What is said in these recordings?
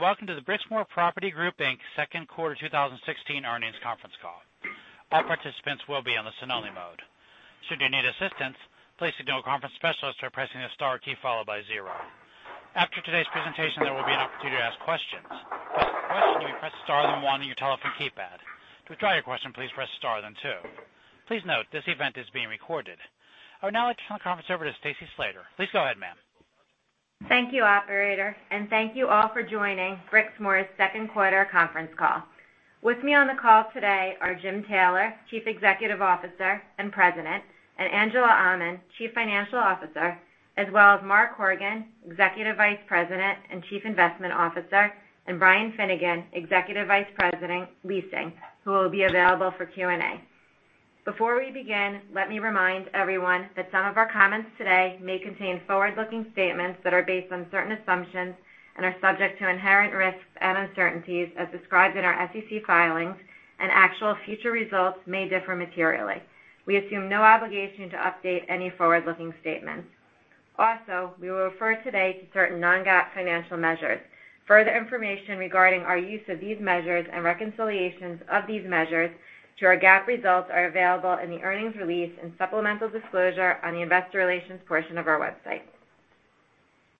Welcome to the Brixmor Property Group Inc.'s second quarter 2016 earnings conference call. All participants will be on the listen-only mode. Should you need assistance, please signal a conference specialist by pressing the star key followed by 0. After today's presentation, there will be an opportunity to ask questions. To ask a question, you may press star then 1 on your telephone keypad. To withdraw your question, please press star then 2. Please note this event is being recorded. I would now like to turn the conference over to Stacy Slater. Please go ahead, ma'am. Thank you, operator. Thank you all for joining Brixmor's second quarter conference call. With me on the call today are Jim Taylor, Chief Executive Officer and President, Angela Aman, Chief Financial Officer, as well as Mark Horgan, Executive Vice President and Chief Investment Officer, and Brian Finnegan, Executive Vice President, Leasing, who will be available for Q&A. Before we begin, let me remind everyone that some of our comments today may contain forward-looking statements that are based on certain assumptions and are subject to inherent risks and uncertainties as described in our SEC filings, and actual future results may differ materially. We assume no obligation to update any forward-looking statements. Also, we will refer today to certain non-GAAP financial measures. Further information regarding our use of these measures and reconciliations of these measures to our GAAP results are available in the earnings release and supplemental disclosure on the investor relations portion of our website.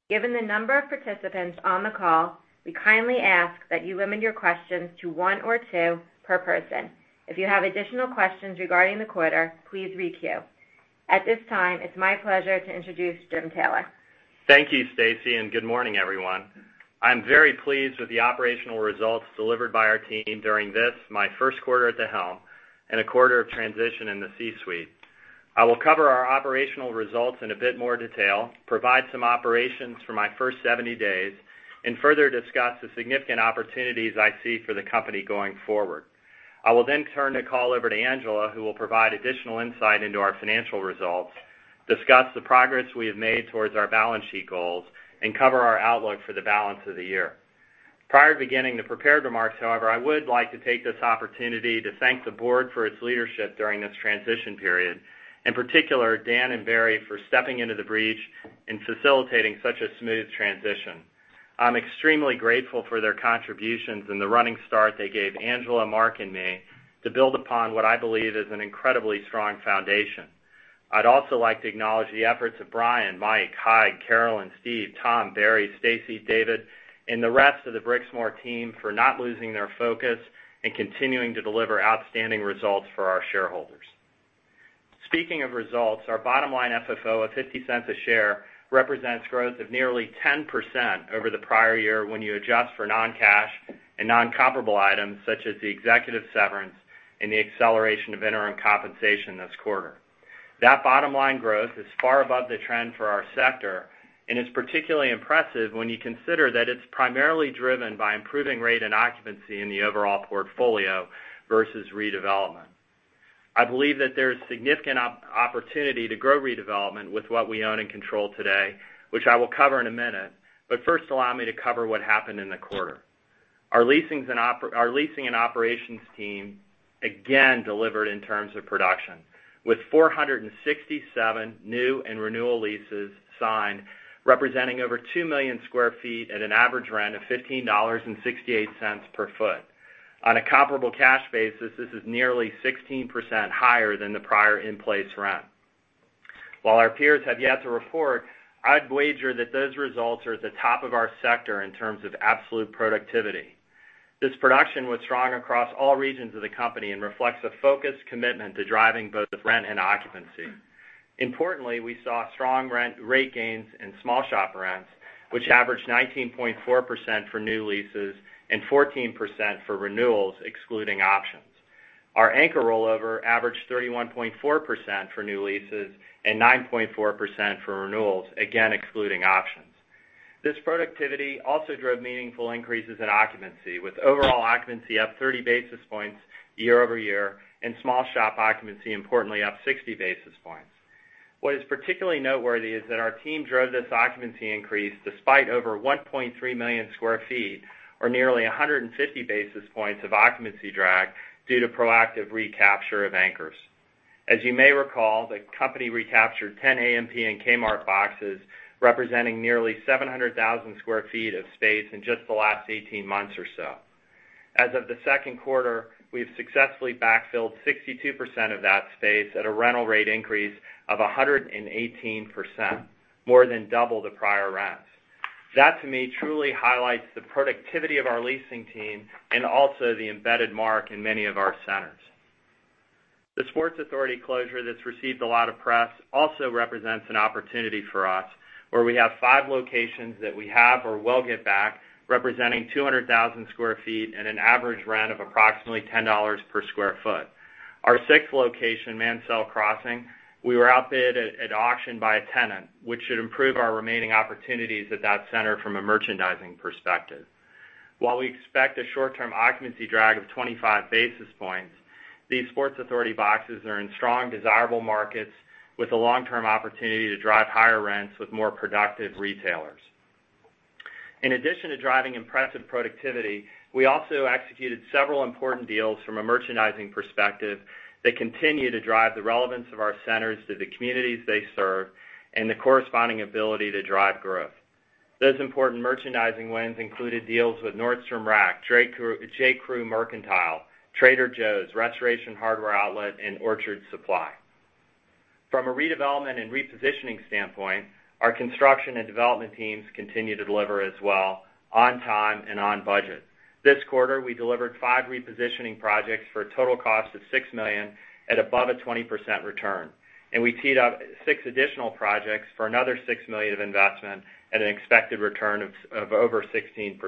Given the number of participants on the call, we kindly ask that you limit your questions to one or two per person. If you have additional questions regarding the quarter, please re-queue. At this time, it's my pleasure to introduce Jim Taylor. Thank you, Stacy. Good morning, everyone. I'm very pleased with the operational results delivered by our team during this, my first quarter at the helm and a quarter of transition in the C-suite. I will cover our operational results in a bit more detail, provide some operations for my first 70 days, and further discuss the significant opportunities I see for the company going forward. I will then turn the call over to Angela, who will provide additional insight into our financial results, discuss the progress we have made towards our balance sheet goals, and cover our outlook for the balance of the year. Prior to beginning the prepared remarks, however, I would like to take this opportunity to thank the board for its leadership during this transition period, in particular, Dan and Barry, for stepping into the breach and facilitating such a smooth transition. I'm extremely grateful for their contributions and the running start they gave Angela, Mark, and me to build upon what I believe is an incredibly strong foundation. I'd also like to acknowledge the efforts of Brian, Mike, Hyde, Carolyn, Steve, Tom, Barry, Stacy, David, and the rest of the Brixmor team for not losing their focus and continuing to deliver outstanding results for our shareholders. Speaking of results, our bottom-line FFO of $0.50 a share represents growth of nearly 10% over the prior year when you adjust for non-cash and non-comparable items such as the executive severance and the acceleration of interim compensation this quarter. That bottom-line growth is far above the trend for our sector and is particularly impressive when you consider that it's primarily driven by improving rate and occupancy in the overall portfolio versus redevelopment. I believe that there is significant opportunity to grow redevelopment with what we own and control today, which I will cover in a minute. First, allow me to cover what happened in the quarter. Our leasing and operations team again delivered in terms of production, with 467 new and renewal leases signed, representing over 2 million square feet at an average rent of $15.68 per foot. On a comparable cash basis, this is nearly 16% higher than the prior in-place rent. While our peers have yet to report, I'd wager that those results are at the top of our sector in terms of absolute productivity. This production was strong across all regions of the company and reflects a focused commitment to driving both rent and occupancy. Importantly, we saw strong rent rate gains in small shop rents, which averaged 19.4% for new leases and 14% for renewals, excluding options. Our anchor rollover averaged 31.4% for new leases and 9.4% for renewals, again, excluding options. This productivity also drove meaningful increases in occupancy, with overall occupancy up 30 basis points year-over-year, and small shop occupancy, importantly, up 60 basis points. What is particularly noteworthy is that our team drove this occupancy increase despite over 1.3 million square feet, or 150 basis points of occupancy drag due to proactive recapture of anchors. As you may recall, the company recaptured 10 A&P and Kmart boxes, representing 700,000 square feet of space in just the last 18 months or so. As of the second quarter, we've successfully backfilled 62% of that space at a rental rate increase of 118%, more than double the prior rents. That, to me, truly highlights the productivity of our leasing team and also the embedded mark in many of our centers. The Sports Authority closure that's received a lot of press also represents an opportunity for us, where we have 5 locations that we have or will get back, representing 200,000 square feet and an average rent of approximately $10 per square foot. Our sixth location, Mansell Crossing, we were outbid at auction by a tenant, which should improve our remaining opportunities at that center from a merchandising perspective. While we expect a short-term occupancy drag of 25 basis points, these Sports Authority boxes are in strong, desirable markets with a long-term opportunity to drive higher rents with more productive retailers. In addition to driving impressive productivity, we also executed several important deals from a merchandising perspective that continue to drive the relevance of our centers to the communities they serve and the corresponding ability to drive growth. Those important merchandising wins included deals with Nordstrom Rack, J.Crew Mercantile, Trader Joe's, Restoration Hardware Outlet, and Orchard Supply. From a redevelopment and repositioning standpoint, our construction and development teams continue to deliver as well, on time and on budget. This quarter, we delivered five repositioning projects for a total cost of $6 million at above a 20% return. We teed up six additional projects for another $6 million of investment at an expected return of over 16%.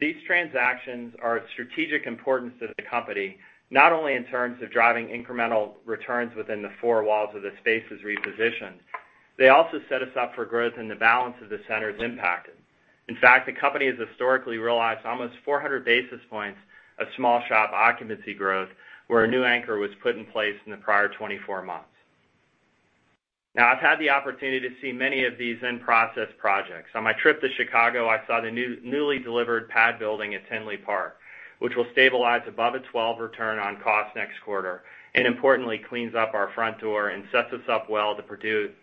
These transactions are of strategic importance to the company, not only in terms of driving incremental returns within the four walls of the spaces repositioned, they also set us up for growth in the balance of the centers impacted. In fact, the company has historically realized almost 400 basis points of small shop occupancy growth where a new anchor was put in place in the prior 24 months. I've had the opportunity to see many of these in-process projects. On my trip to Chicago, I saw the newly delivered pad building at Tinley Park, which will stabilize above a 12% return on cost next quarter, importantly, cleans up our front door and sets us up well to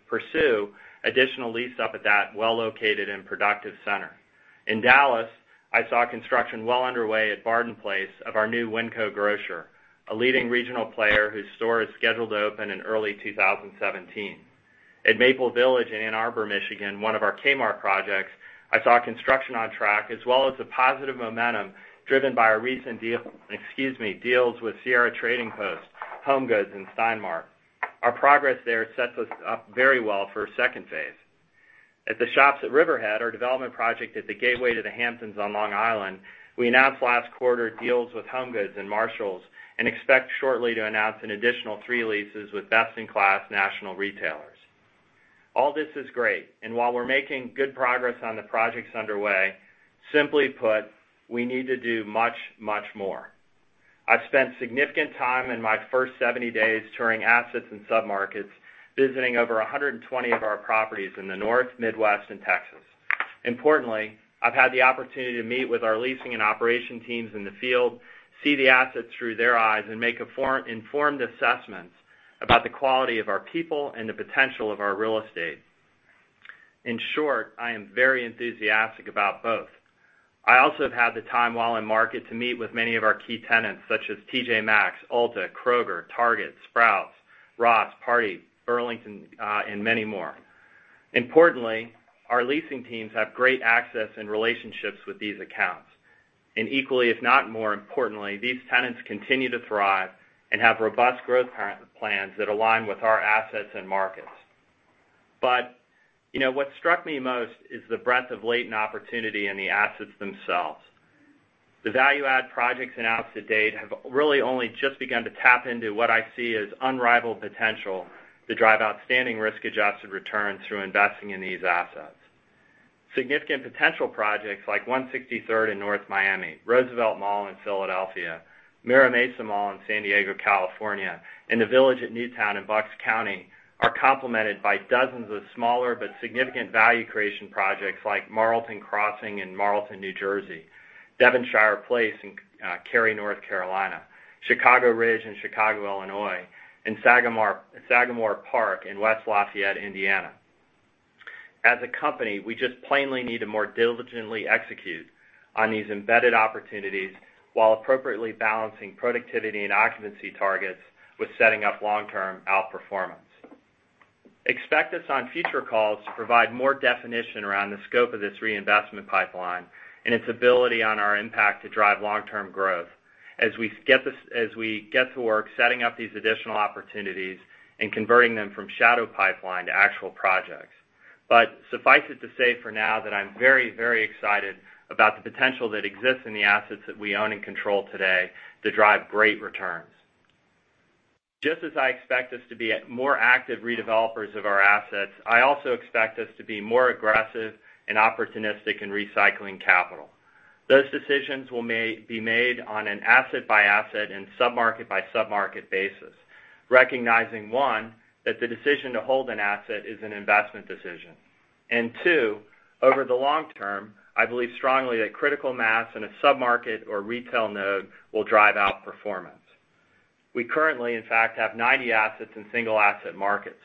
pursue additional lease-up at that well-located and productive center. In Dallas, I saw construction well underway at Barton Place of our new WinCo Grocer, a leading regional player whose store is scheduled to open in early 2017. At Maple Village in Ann Arbor, Michigan, one of our Kmart projects, I saw construction on track, as well as the positive momentum driven by our recent deals with Sierra Trading Post, HomeGoods, and Stein Mart. Our progress there sets us up very well for a second phase. At the Shops at Riverhead, our development project at the gateway to the Hamptons on Long Island, we announced last quarter deals with HomeGoods and Marshalls and expect shortly to announce an additional three leases with best-in-class national retailers. All this is great, while we're making good progress on the projects underway, simply put, we need to do much, much more. I've spent significant time in my first 70 days touring assets and sub-markets, visiting over 120 of our properties in the North, Midwest, and Texas. Importantly, I've had the opportunity to meet with our leasing and operation teams in the field, see the assets through their eyes, and make informed assessments about the quality of our people and the potential of our real estate. In short, I am very enthusiastic about both. I also have had the time while in market to meet with many of our key tenants such as TJ Maxx, Ulta, Kroger, Target, Sprouts, Ross, Party City, Burlington, and many more. Importantly, our leasing teams have great access and relationships with these accounts. Equally, if not more importantly, these tenants continue to thrive and have robust growth plans that align with our assets and markets. What struck me most is the breadth of latent opportunity in the assets themselves. The value-add projects announced to date have really only just begun to tap into what I see as unrivaled potential to drive outstanding risk-adjusted returns through investing in these assets. Significant potential projects like 163rd in North Miami, Roosevelt Mall in Philadelphia, Mira Mesa Marketplace in San Diego, California, and the Village at Newtown in Bucks County are complemented by dozens of smaller but significant value creation projects like Marlton Crossing in Marlton, New Jersey, Devonshire Place in Cary, North Carolina, Chicago Ridge in Chicago, Illinois, and Sagamore Park in West Lafayette, Indiana. As a company, we just plainly need to more diligently execute on these embedded opportunities while appropriately balancing productivity and occupancy targets with setting up long-term outperformance. Expect us on future calls to provide more definition around the scope of this reinvestment pipeline and its ability on our impact to drive long-term growth as we get to work setting up these additional opportunities and converting them from shadow pipeline to actual projects. Suffice it to say for now that I'm very excited about the potential that exists in the assets that we own and control today to drive great returns. Just as I expect us to be more active redevelopers of our assets, I also expect us to be more aggressive and opportunistic in recycling capital. Those decisions will be made on an asset-by-asset and sub-market-by-sub-market basis, recognizing, one, that the decision to hold an asset is an investment decision, and two, over the long term, I believe strongly that critical mass in a sub-market or retail node will drive outperformance. We currently, in fact, have 90 assets in single-asset markets.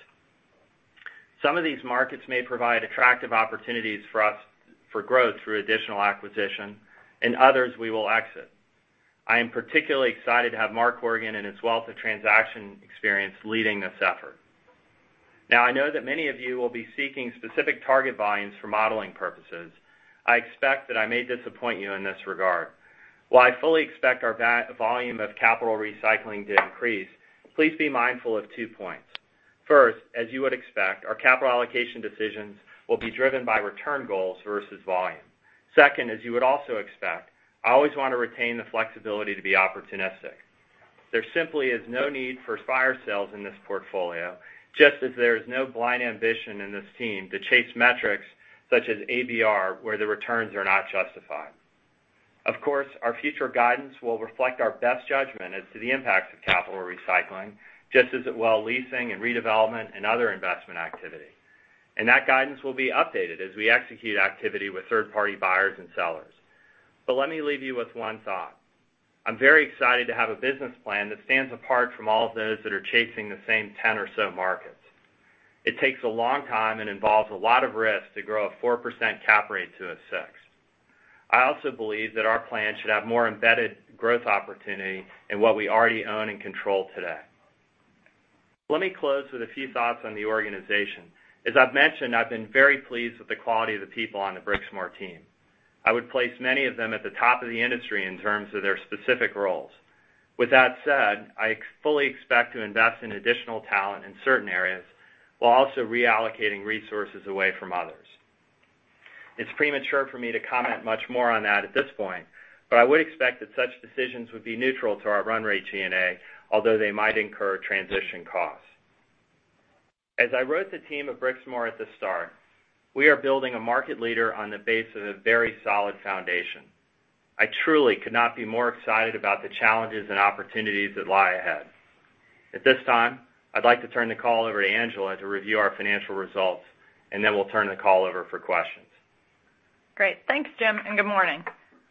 Some of these markets may provide attractive opportunities for us for growth through additional acquisition, and others we will exit. I am particularly excited to have Mark Horgan and his wealth of transaction experience leading this effort. I know that many of you will be seeking specific target volumes for modeling purposes. I expect that I may disappoint you in this regard. While I fully expect our volume of capital recycling to increase, please be mindful of two points. First, as you would expect, our capital allocation decisions will be driven by return goals versus volume. Second, as you would also expect, I always want to retain the flexibility to be opportunistic. There simply is no need for fire sales in this portfolio, just as there is no blind ambition in this team to chase metrics such as ABR where the returns are not justified. Of course, our future guidance will reflect our best judgment as to the impacts of capital recycling, just as it will leasing and redevelopment and other investment activity. That guidance will be updated as we execute activity with third-party buyers and sellers. Let me leave you with one thought. I'm very excited to have a business plan that stands apart from all of those that are chasing the same 10 or so markets. It takes a long time and involves a lot of risk to grow a 4% cap rate to a six. I also believe that our plan should have more embedded growth opportunity in what we already own and control today. Let me close with a few thoughts on the organization. As I've mentioned, I've been very pleased with the quality of the people on the Brixmor team. I would place many of them at the top of the industry in terms of their specific roles. With that said, I fully expect to invest in additional talent in certain areas, while also reallocating resources away from others. It's premature for me to comment much more on that at this point, but I would expect that such decisions would be neutral to our run rate G&A, although they might incur transition costs. As I wrote the team of Brixmor at the start, we are building a market leader on the base of a very solid foundation. I truly could not be more excited about the challenges and opportunities that lie ahead. At this time, I'd like to turn the call over to Angela to review our financial results, and then we'll turn the call over for questions. Great. Thanks, Jim, and good morning.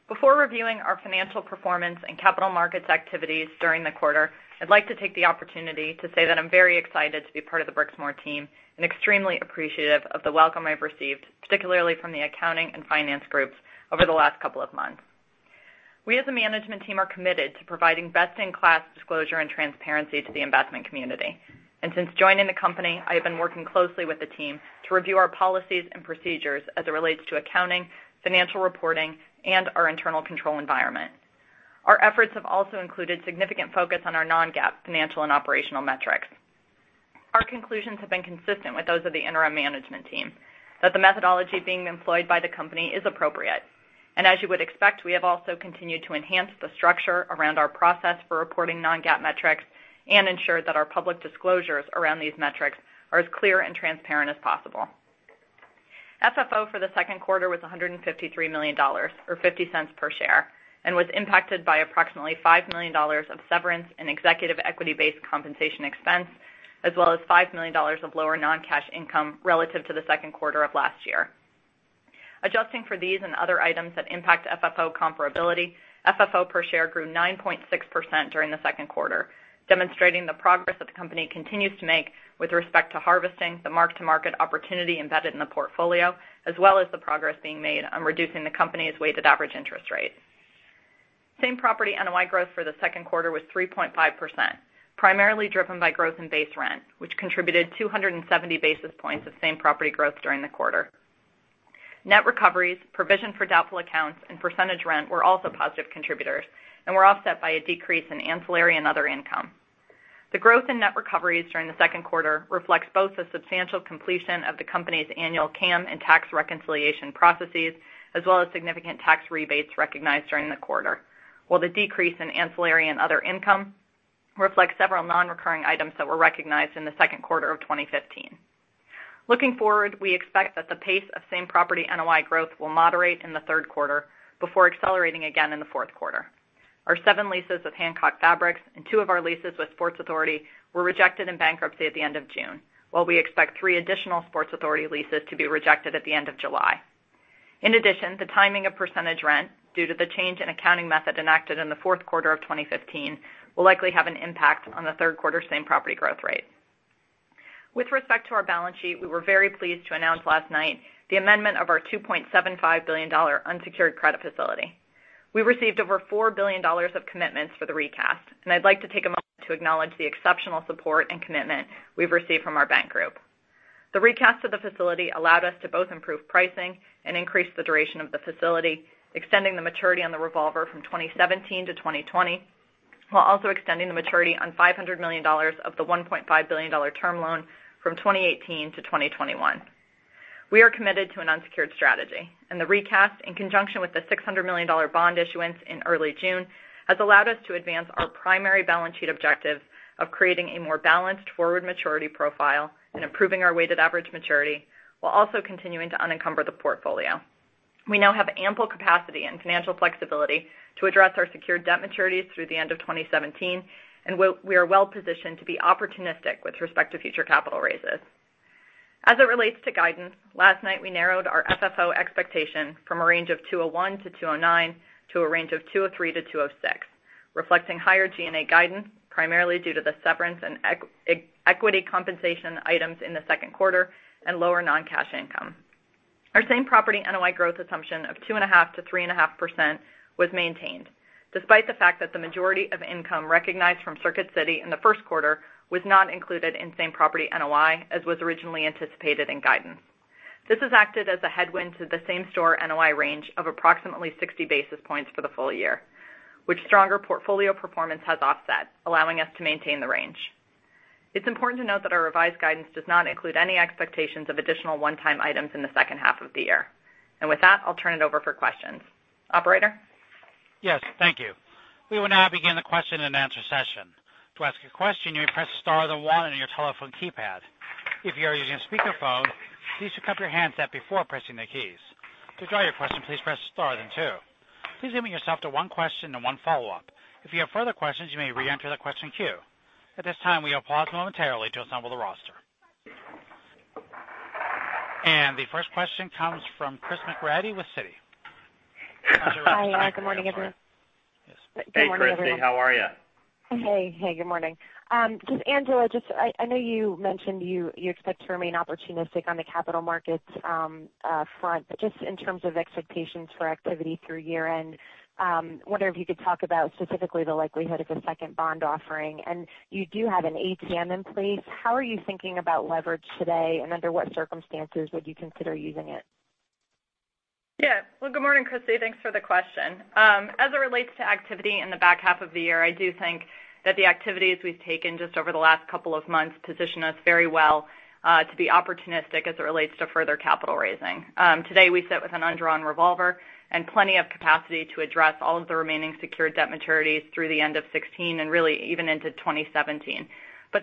Before reviewing our financial performance and capital markets activities during the quarter, I'd like to take the opportunity to say that I'm very excited to be part of the Brixmor team and extremely appreciative of the welcome I've received, particularly from the accounting and finance groups over the last couple of months. We as a management team are committed to providing best-in-class disclosure and transparency to the investment community. Since joining the company, I have been working closely with the team to review our policies and procedures as it relates to accounting, financial reporting, and our internal control environment. Our efforts have also included significant focus on our non-GAAP financial and operational metrics. Our conclusions have been consistent with those of the interim management team, that the methodology being employed by the company is appropriate. As you would expect, we have also continued to enhance the structure around our process for reporting non-GAAP metrics and ensure that our public disclosures around these metrics are as clear and transparent as possible. FFO for the second quarter was $153 million, or $0.50 per share, and was impacted by approximately $5 million of severance and executive equity-based compensation expense, as well as $5 million of lower non-cash income relative to the second quarter of last year. Adjusting for these and other items that impact FFO comparability, FFO per share grew 9.6% during the second quarter, demonstrating the progress that the company continues to make with respect to harvesting the mark-to-market opportunity embedded in the portfolio, as well as the progress being made on reducing the company's weighted average interest rate. Same property NOI growth for the second quarter was 3.5%, primarily driven by growth in base rent, which contributed 270 basis points of same property growth during the quarter. Net recoveries, provision for doubtful accounts, and percentage rent were also positive contributors and were offset by a decrease in ancillary and other income. The growth in net recoveries during the second quarter reflects both the substantial completion of the company's annual CAM and tax reconciliation processes, as well as significant tax rebates recognized during the quarter. While the decrease in ancillary and other income reflects several non-recurring items that were recognized in the second quarter of 2015. Looking forward, we expect that the pace of same property NOI growth will moderate in the third quarter before accelerating again in the fourth quarter. Our seven leases with Hancock Fabrics and two of our leases with Sports Authority were rejected in bankruptcy at the end of June. We expect three additional Sports Authority leases to be rejected at the end of July. In addition, the timing of percentage rent due to the change in accounting method enacted in the fourth quarter of 2015 will likely have an impact on the third quarter same property growth rate. With respect to our balance sheet, we were very pleased to announce last night the amendment of our $2.75 billion unsecured credit facility. We received over $4 billion of commitments for the recast, and I'd like to take a moment to acknowledge the exceptional support and commitment we've received from our bank group. The recast of the facility allowed us to both improve pricing and increase the duration of the facility, extending the maturity on the revolver from 2017 to 2020, while also extending the maturity on $500 million of the $1.5 billion term loan from 2018 to 2021. We are committed to an unsecured strategy, the recast, in conjunction with the $600 million bond issuance in early June, has allowed us to advance our primary balance sheet objective of creating a more balanced forward maturity profile and improving our weighted average maturity while also continuing to unencumber the portfolio. We now have ample capacity and financial flexibility to address our secured debt maturities through the end of 2017. We are well-positioned to be opportunistic with respect to future capital raises. As it relates to guidance, last night we narrowed our FFO expectation from a range of 201 to 209 to a range of 203 to 206, reflecting higher G&A guidance, primarily due to the severance and equity compensation items in the second quarter and lower non-cash income. Our same property NOI growth assumption of 2.5%-3.5% was maintained, despite the fact that the majority of income recognized from Circuit City in the first quarter was not included in same property NOI as was originally anticipated in guidance. This has acted as a headwind to the same store NOI range of approximately 60 basis points for the full year, which stronger portfolio performance has offset, allowing us to maintain the range. It's important to note that our revised guidance does not include any expectations of additional one-time items in the second half of the year. With that, I'll turn it over for questions. Operator? Yes. Thank you. We will now begin the question and answer session. To ask a question, you may press star then one on your telephone keypad. If you are using a speakerphone, please recover your handset before pressing the keys. To withdraw your question, please press star then two. Please limit yourself to one question and one follow-up. If you have further questions, you may reenter the question queue. At this time, we will pause momentarily to assemble the roster. The first question comes from Christy McElroy with Citi. Hi, good morning, everyone. Hey, Christy. How are you? Hey. Good morning. Angela, I know you mentioned you expect to remain opportunistic on the capital markets front. Just in terms of expectations for activity through year-end, I wonder if you could talk about specifically the likelihood of a second bond offering. You do have an ATM in place. How are you thinking about leverage today, and under what circumstances would you consider using it? Well, good morning, Christy. Thanks for the question. As it relates to activity in the back half of the year, I do think that the activities we've taken just over the last couple of months position us very well to be opportunistic as it relates to further capital raising. Today, we sit with an undrawn revolver and plenty of capacity to address all of the remaining secured debt maturities through the end of 2016, and really, even into 2017.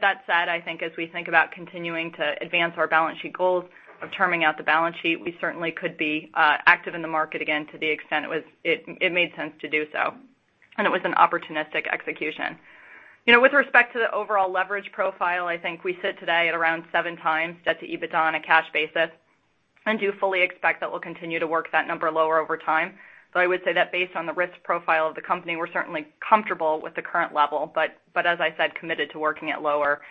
That said, I think as we think about continuing to advance our balance sheet goals of terming out the balance sheet, we certainly could be active in the market again to the extent it made sense to do so and it was an opportunistic execution. With respect to the overall leverage profile, I think we sit today at around 7 times debt to EBITDA on a cash basis, and do fully expect that we'll continue to work that number lower over time. I would say that based on the risk profile of the company, we're certainly comfortable with the current level. As I said, committed to working at lower,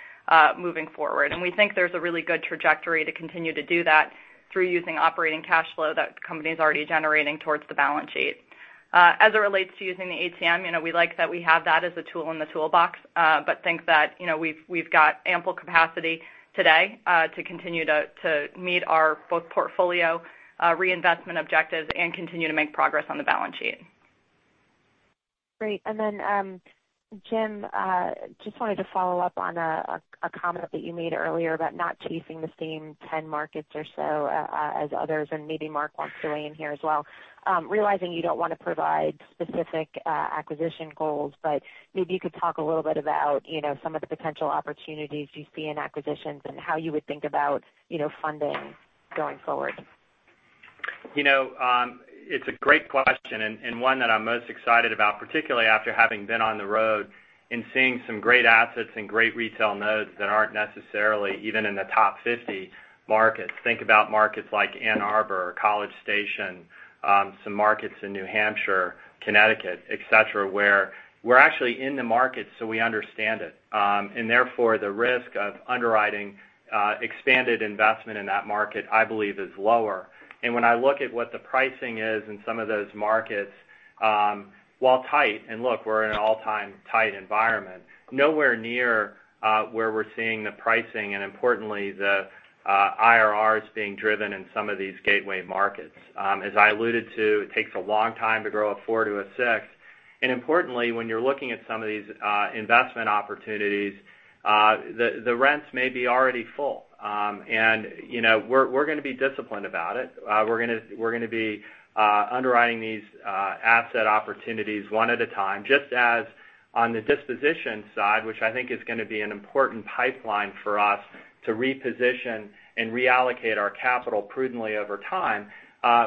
moving forward. We think there's a really good trajectory to continue to do that through using operating cash flow that the company's already generating towards the balance sheet. As it relates to using the ATM, we like that we have that as a tool in the toolbox, but think that we've got ample capacity today, to continue to meet our both portfolio reinvestment objectives and continue to make progress on the balance sheet. Great. Jim, just wanted to follow up on a comment that you made earlier about not chasing the same 10 markets or so as others, and maybe Mark wants to weigh in here as well. Realizing you don't want to provide specific acquisition goals, but maybe you could talk a little bit about some of the potential opportunities you see in acquisitions and how you would think about funding going forward. It's a great question and one that I'm most excited about, particularly after having been on the road and seeing some great assets and great retail nodes that aren't necessarily even in the top 50 markets. Think about markets like Ann Arbor or College Station, some markets in New Hampshire, Connecticut, et cetera, where we're actually in the market, so we understand it. Therefore, the risk of underwriting expanded investment in that market, I believe, is lower. When I look at what the pricing is in some of those markets, while tight, and look, we're in an all-time tight environment, nowhere near where we're seeing the pricing, and importantly, the IRRs being driven in some of these gateway markets. As I alluded to, it takes a long time to grow a four to a six. Importantly, when you're looking at some of these investment opportunities, the rents may be already full. We're going to be disciplined about it. We're going to be underwriting these asset opportunities one at a time, just as on the disposition side, which I think is going to be an important pipeline for us to reposition and reallocate our capital prudently over time.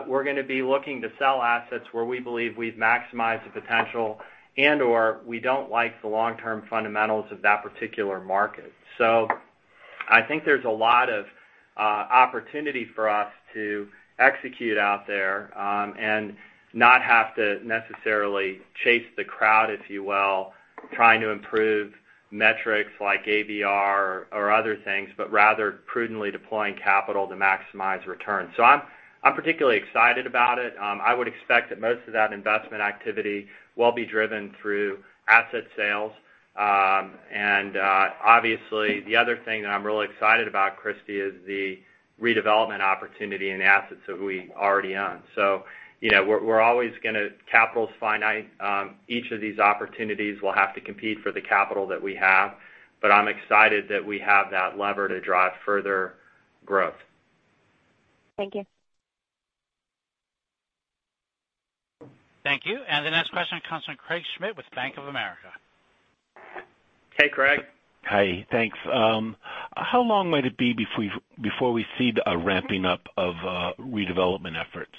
We're going to be looking to sell assets where we believe we've maximized the potential and/or we don't like the long-term fundamentals of that particular market. I think there's a lot of opportunity for us to execute out there, and not have to necessarily chase the crowd, if you will, trying to improve metrics like ABR or other things, but rather prudently deploying capital to maximize return. I'm particularly excited about it. I would expect that most of that investment activity will be driven through asset sales. Obviously, the other thing that I'm really excited about, Christy, is the redevelopment opportunity in assets that we already own. Capital is finite. Each of these opportunities will have to compete for the capital that we have, but I'm excited that we have that lever to drive further growth. Thank you. Thank you. The next question comes from Craig Schmidt with Bank of America. Hey, Craig. Hi. Thanks. How long might it be before we see the ramping up of redevelopment efforts?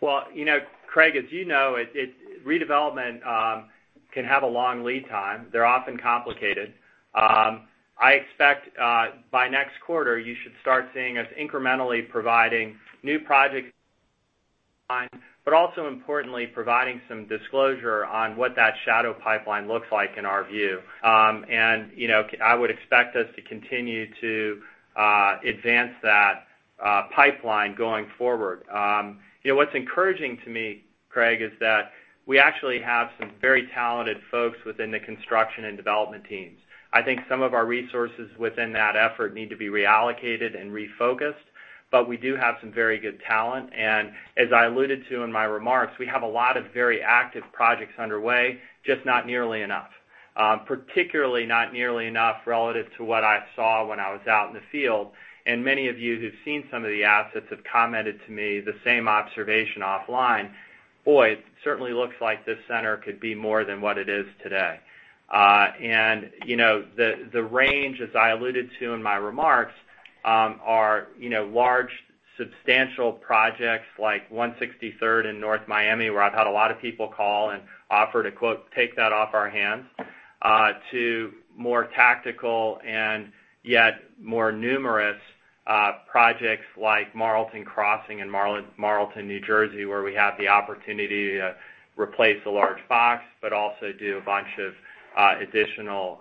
Well, Craig, as you know, redevelopment can have a long lead time. They're often complicated. I expect, by next quarter, you should start seeing us incrementally providing new project pipeline, but also importantly, providing some disclosure on what that shadow pipeline looks like in our view. I would expect us to continue to advance that pipeline going forward. What's encouraging to me, Craig, is that we actually have some very talented folks within the construction and development teams. I think some of our resources within that effort need to be reallocated and refocused, but we do have some very good talent. As I alluded to in my remarks, we have a lot of very active projects underway, just not nearly enough. Particularly not nearly enough relative to what I saw when I was out in the field. Many of you who've seen some of the assets have commented to me the same observation offline. "Boy, it certainly looks like this center could be more than what it is today." The range, as I alluded to in my remarks, are large Substantial projects like 163rd in North Miami, where I've had a lot of people call and offer to, quote, "take that off our hands," to more tactical and yet more numerous projects like Marlton Crossing in Marlton, New Jersey, where we have the opportunity to replace a large box, but also do a bunch of additional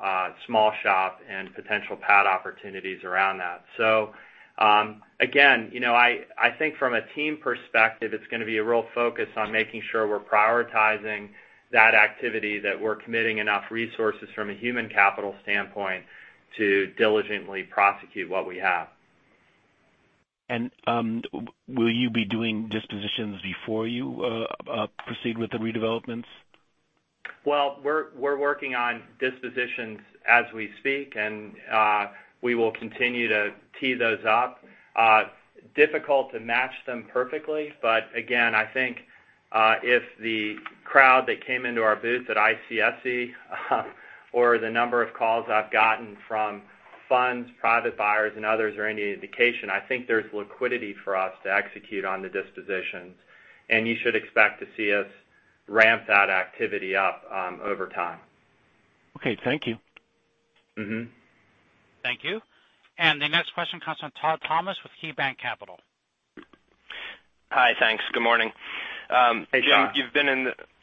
small shop and potential pad opportunities around that. Again, I think from a team perspective, it's going to be a real focus on making sure we're prioritizing that activity, that we're committing enough resources from a human capital standpoint to diligently prosecute what we have. Will you be doing dispositions before you proceed with the redevelopments? Well, we're working on dispositions as we speak, and we will continue to tee those up. Difficult to match them perfectly. Again, I think if the crowd that came into our booth at ICSC or the number of calls I've gotten from funds, private buyers, and others are any indication, I think there's liquidity for us to execute on the dispositions. You should expect to see us ramp that activity up over time. Okay, thank you. Thank you. The next question comes from Todd Thomas with KeyBanc Capital. Hi, thanks. Good morning. Hey, Todd.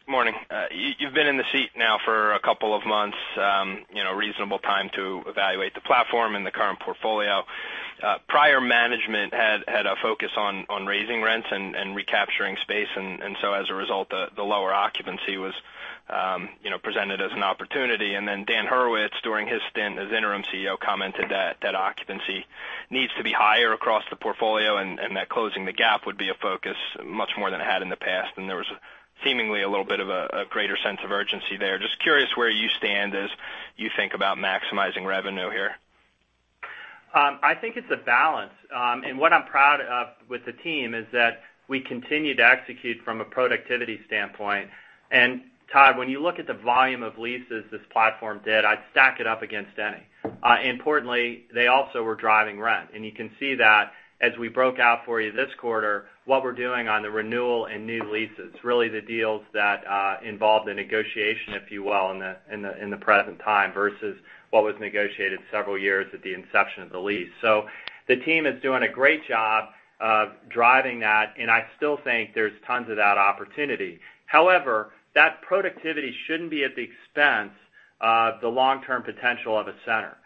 Morning. You've been in the seat now for a couple of months, reasonable time to evaluate the platform and the current portfolio. Prior management had a focus on raising rents and recapturing space. As a result, the lower occupancy was presented as an opportunity. Daniel Hurwitz, during his stint as interim CEO, commented that occupancy needs to be higher across the portfolio, and that closing the gap would be a focus much more than it had in the past. There was seemingly a little bit of a greater sense of urgency there. Just curious where you stand as you think about maximizing revenue here. I think it's a balance. What I'm proud of with the team is that we continue to execute from a productivity standpoint. Todd, when you look at the volume of leases this platform did, I'd stack it up against any. Importantly, they also were driving rent. You can see that as we broke out for you this quarter, what we're doing on the renewal and new leases, really the deals that involved a negotiation, if you will, in the present time versus what was negotiated several years at the inception of the lease. The team is doing a great job of driving that, and I still think there's tons of that opportunity. However, that productivity shouldn't be at the expense of the long-term potential of a center.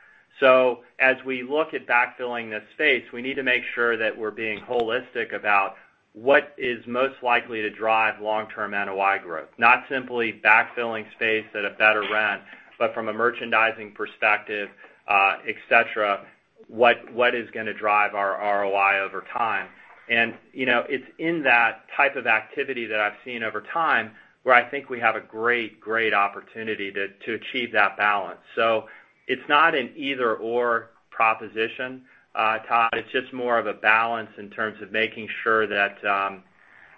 As we look at backfilling this space, we need to make sure that we're being holistic about what is most likely to drive long-term NOI growth. Not simply backfilling space at a better rent, but from a merchandising perspective, et cetera, what is going to drive our ROI over time. It's in that type of activity that I've seen over time where I think we have a great opportunity to achieve that balance. It's not an either/or proposition, Todd. It's just more of a balance in terms of making sure that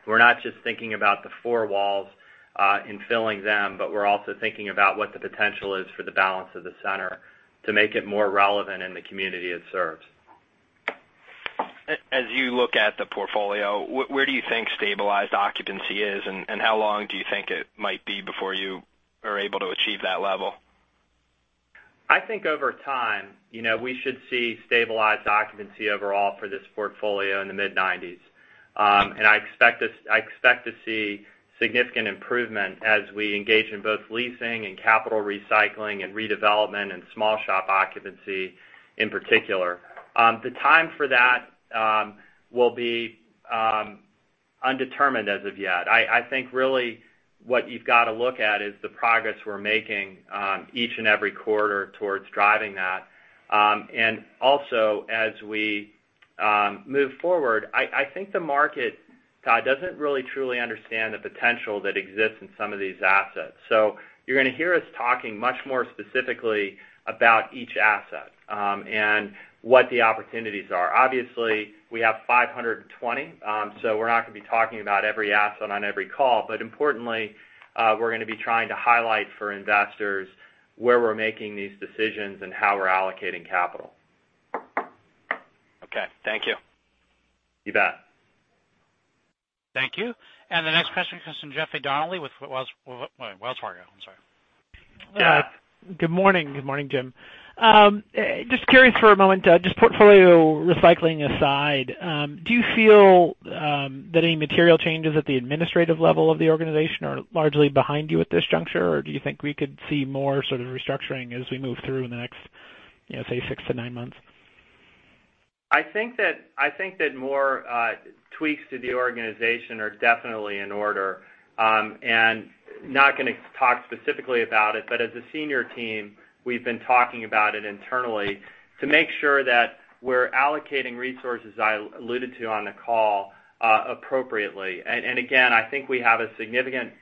we're not just thinking about the four walls and filling them, but we're also thinking about what the potential is for the balance of the center to make it more relevant in the community it serves. As you look at the portfolio, where do you think stabilized occupancy is, and how long do you think it might be before you are able to achieve that level? I think over time, we should see stabilized occupancy overall for this portfolio in the mid-90s. I expect to see significant improvement as we engage in both leasing and capital recycling and redevelopment and small shop occupancy in particular. The time for that will be undetermined as of yet. I think really what you've got to look at is the progress we're making each and every quarter towards driving that. Also, as we move forward, I think the market, Todd, doesn't really truly understand the potential that exists in some of these assets. You're going to hear us talking much more specifically about each asset and what the opportunities are. Obviously, we have 520, so we're not going to be talking about every asset on every call. Importantly, we're going to be trying to highlight for investors where we're making these decisions and how we're allocating capital. Okay. Thank you. You bet. Thank you. The next question comes from Jeffrey Donnelly with Wells Fargo. I'm sorry. Good morning, Jim. Just curious for a moment, just portfolio recycling aside, do you feel that any material changes at the administrative level of the organization are largely behind you at this juncture, or do you think we could see more sort of restructuring as we move through in the next, say, six to nine months? I think that more tweaks to the organization are definitely in order. Not going to talk specifically about it, but as a senior team, we've been talking about it internally to make sure that we're allocating resources I alluded to on the call appropriately. Again, I think we have a significant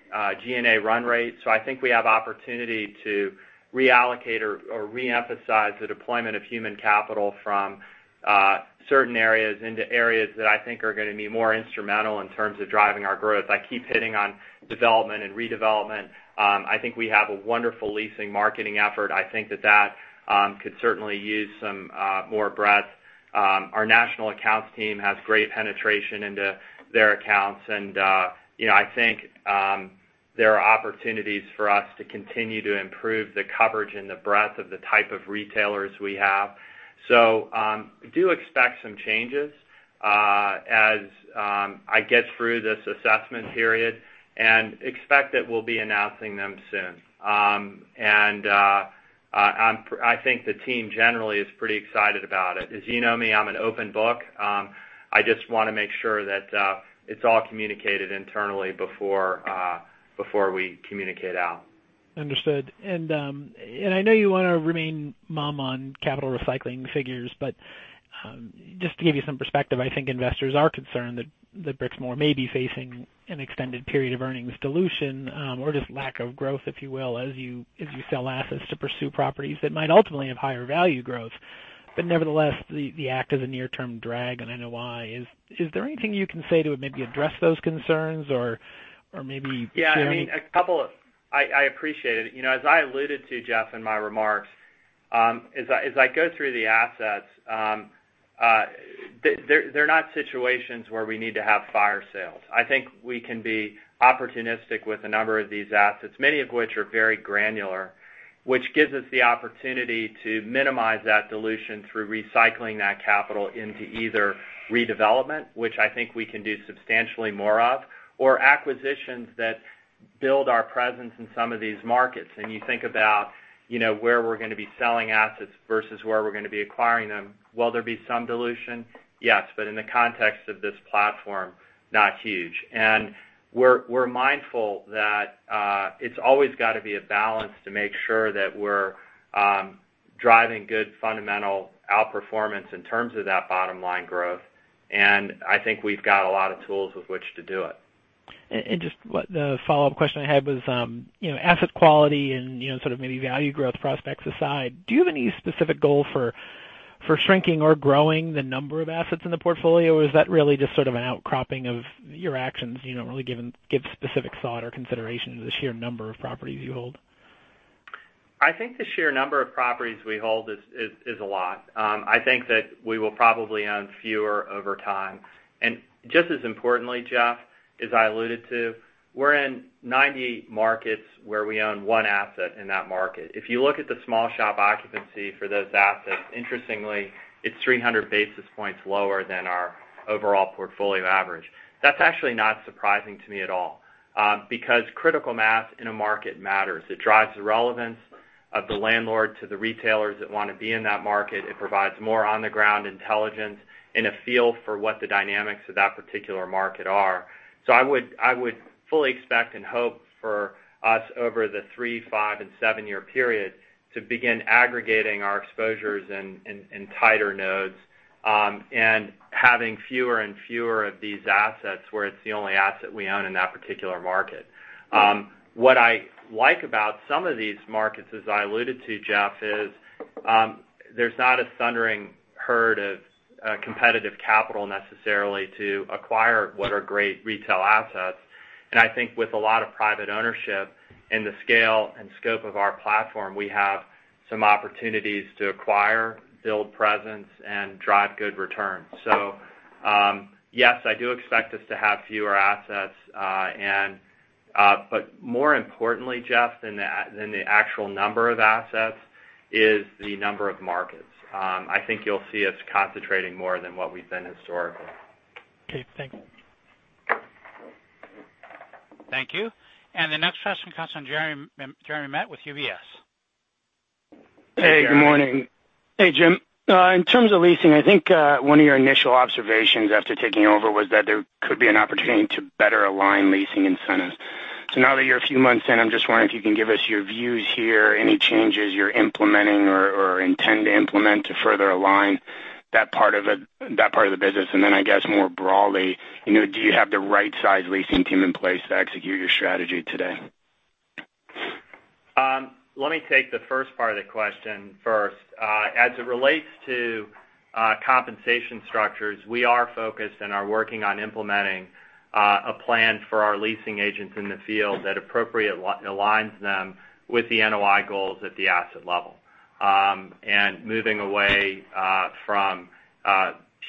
G&A run rate. I think we have opportunity to reallocate or reemphasize the deployment of human capital from certain areas into areas that I think are going to be more instrumental in terms of driving our growth. I keep hitting on development and redevelopment. I think we have a wonderful leasing marketing effort. I think that that could certainly use some more breadth. Our national accounts team has great penetration into their accounts. I think there are opportunities for us to continue to improve the coverage and the breadth of the type of retailers we have. Do expect some changes as I get through this assessment period, and expect that we'll be announcing them soon. I think the team generally is pretty excited about it. As you know me, I'm an open book. I just want to make sure that it's all communicated internally before we communicate out. Understood. I know you want to remain mum on capital recycling figures, but just to give you some perspective, I think investors are concerned that Brixmor may be facing an extended period of earnings dilution, or just lack of growth, if you will, as you sell assets to pursue properties that might ultimately have higher value growth. Nevertheless, the act is a near-term drag, and I know why. Is there anything you can say to maybe address those concerns or maybe share any- Yeah. I appreciate it. As I alluded to, Jeff, in my remarks, as I go through the assets, they're not situations where we need to have fire sales. I think we can be opportunistic with a number of these assets, many of which are very granular, which gives us the opportunity to minimize that dilution through recycling that capital into either redevelopment, which I think we can do substantially more of, or acquisitions that build our presence in some of these markets. You think about where we're going to be selling assets versus where we're going to be acquiring them. Will there be some dilution? Yes, but in the context of this platform, not huge. We're mindful that it's always got to be a balance to make sure that we're driving good fundamental outperformance in terms of that bottom-line growth. I think we've got a lot of tools with which to do it. Just the follow-up question I had was, asset quality and sort of maybe value growth prospects aside, do you have any specific goal for shrinking or growing the number of assets in the portfolio, or is that really just sort of an outcropping of your actions, you don't really give specific thought or consideration to the sheer number of properties you hold? I think the sheer number of properties we hold is a lot. I think that we will probably own fewer over time. Just as importantly, Jeff, as I alluded to, we're in 98 markets where we own one asset in that market. If you look at the small shop occupancy for those assets, interestingly, it's 300 basis points lower than our overall portfolio average. That's actually not surprising to me at all, because critical mass in a market matters. It drives the relevance of the landlord to the retailers that want to be in that market. It provides more on-the-ground intelligence and a feel for what the dynamics of that particular market are. I would fully expect and hope for us over the three-, five- and seven-year period to begin aggregating our exposures in tighter nodes, and having fewer and fewer of these assets where it's the only asset we own in that particular market. What I like about some of these markets, as I alluded to, Jeff, is there's not a thundering herd of competitive capital necessarily to acquire what are great retail assets. I think with a lot of private ownership and the scale and scope of our platform, we have some opportunities to acquire, build presence, and drive good returns. Yes, I do expect us to have fewer assets. More importantly, Jeff, than the actual number of assets, is the number of markets. I think you'll see us concentrating more than what we've been historically. Okay. Thank you. Thank you. The next question comes from Jeremy Metz with UBS. Hey, good morning. Hey, Jim. In terms of leasing, I think one of your initial observations after taking over was that there could be an opportunity to better align leasing incentives. Now that you're a few months in, I'm just wondering if you can give us your views here, any changes you're implementing or intend to implement to further align that part of the business. Then I guess more broadly, do you have the right size leasing team in place to execute your strategy today? Let me take the first part of the question first. As it relates to compensation structures, we are focused and are working on implementing a plan for our leasing agents in the field that appropriate aligns them with the NOI goals at the asset level. Moving away from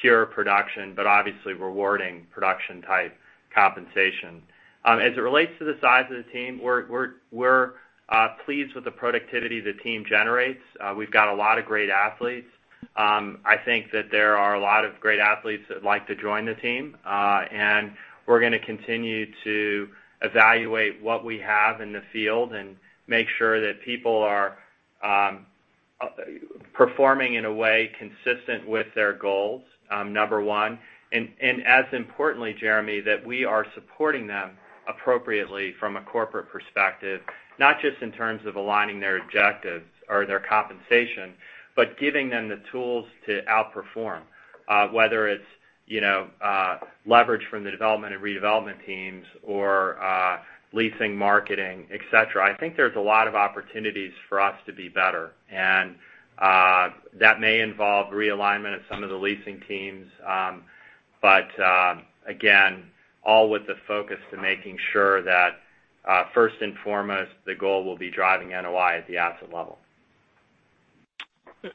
pure production, but obviously rewarding production type compensation. As it relates to the size of the team, we're pleased with the productivity the team generates. We've got a lot of great athletes. I think that there are a lot of great athletes that'd like to join the team. We're going to continue to evaluate what we have in the field and make sure that people are performing in a way consistent with their goals, number one, and as importantly, Jeremy, that we are supporting them appropriately from a corporate perspective, not just in terms of aligning their objectives or their compensation, but giving them the tools to outperform, whether it's leverage from the development and redevelopment teams or leasing, marketing, et cetera. I think there's a lot of opportunities for us to be better. That may involve realignment of some of the leasing teams. Again, all with the focus to making sure that, first and foremost, the goal will be driving NOI at the asset level.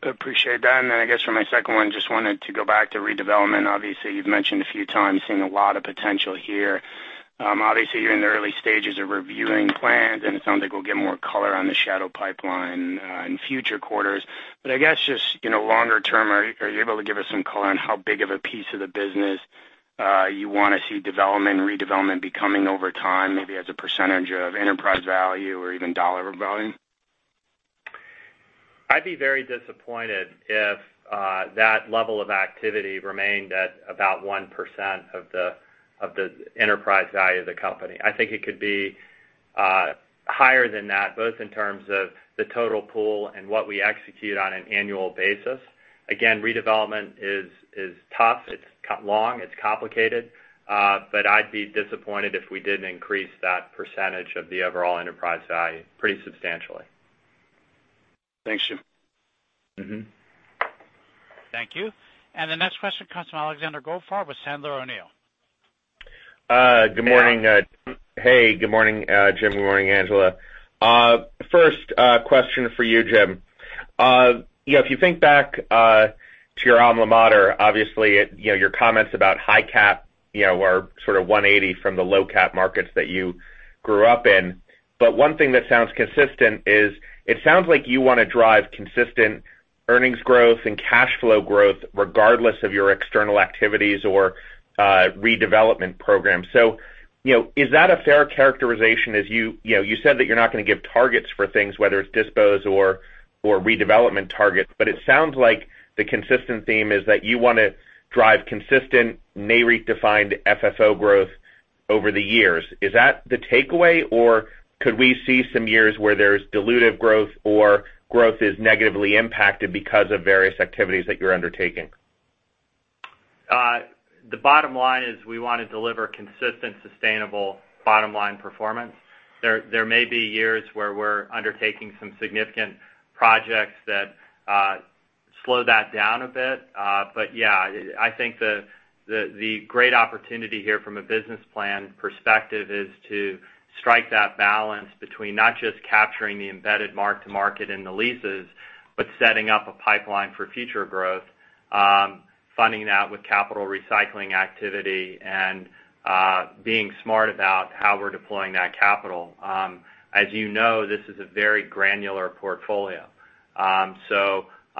Appreciate that. I guess for my second one, just wanted to go back to redevelopment. Obviously, you've mentioned a few times seeing a lot of potential here. Obviously, you're in the early stages of reviewing plans, and it sounds like we'll get more color on the shadow pipeline in future quarters. I guess just, longer term, are you able to give us some color on how big of a piece of the business you want to see development and redevelopment becoming over time, maybe as a percentage of enterprise value or even dollar volume? I'd be very disappointed if that level of activity remained at about 1% of the enterprise value of the company. I think it could be higher than that, both in terms of the total pool and what we execute on an annual basis. Again, redevelopment is tough, it's long, it's complicated. I'd be disappointed if we didn't increase that percentage of the overall enterprise value pretty substantially. Thanks, Jim. Thank you. The next question comes from Alexander Goldfarb with Sandler O'Neill. Hey, good morning, Jim. Good morning, Angela. First question for you, Jim. If you think back to your alma mater, obviously, your comments about high cap are sort of 180 from the low-cap markets that you grew up in. One thing that sounds consistent is, it sounds like you want to drive consistent earnings growth and cash flow growth regardless of your external activities or redevelopment program. Is that a fair characterization? You said that you're not going to give targets for things, whether it's dispos or redevelopment targets, but it sounds like the consistent theme is that you want to drive consistent, NAREIT-defined FFO growth over the years. Is that the takeaway, or could we see some years where there's dilutive growth or growth is negatively impacted because of various activities that you're undertaking? The bottom line is we want to deliver consistent, sustainable bottom-line performance. There may be years where we're undertaking some significant projects that slow that down a bit. Yeah, I think the great opportunity here from a business plan perspective is to strike that balance between not just capturing the embedded mark to market in the leases, but setting up a pipeline for future growth, funding that with capital recycling activity, and being smart about how we're deploying that capital. As you know, this is a very granular portfolio.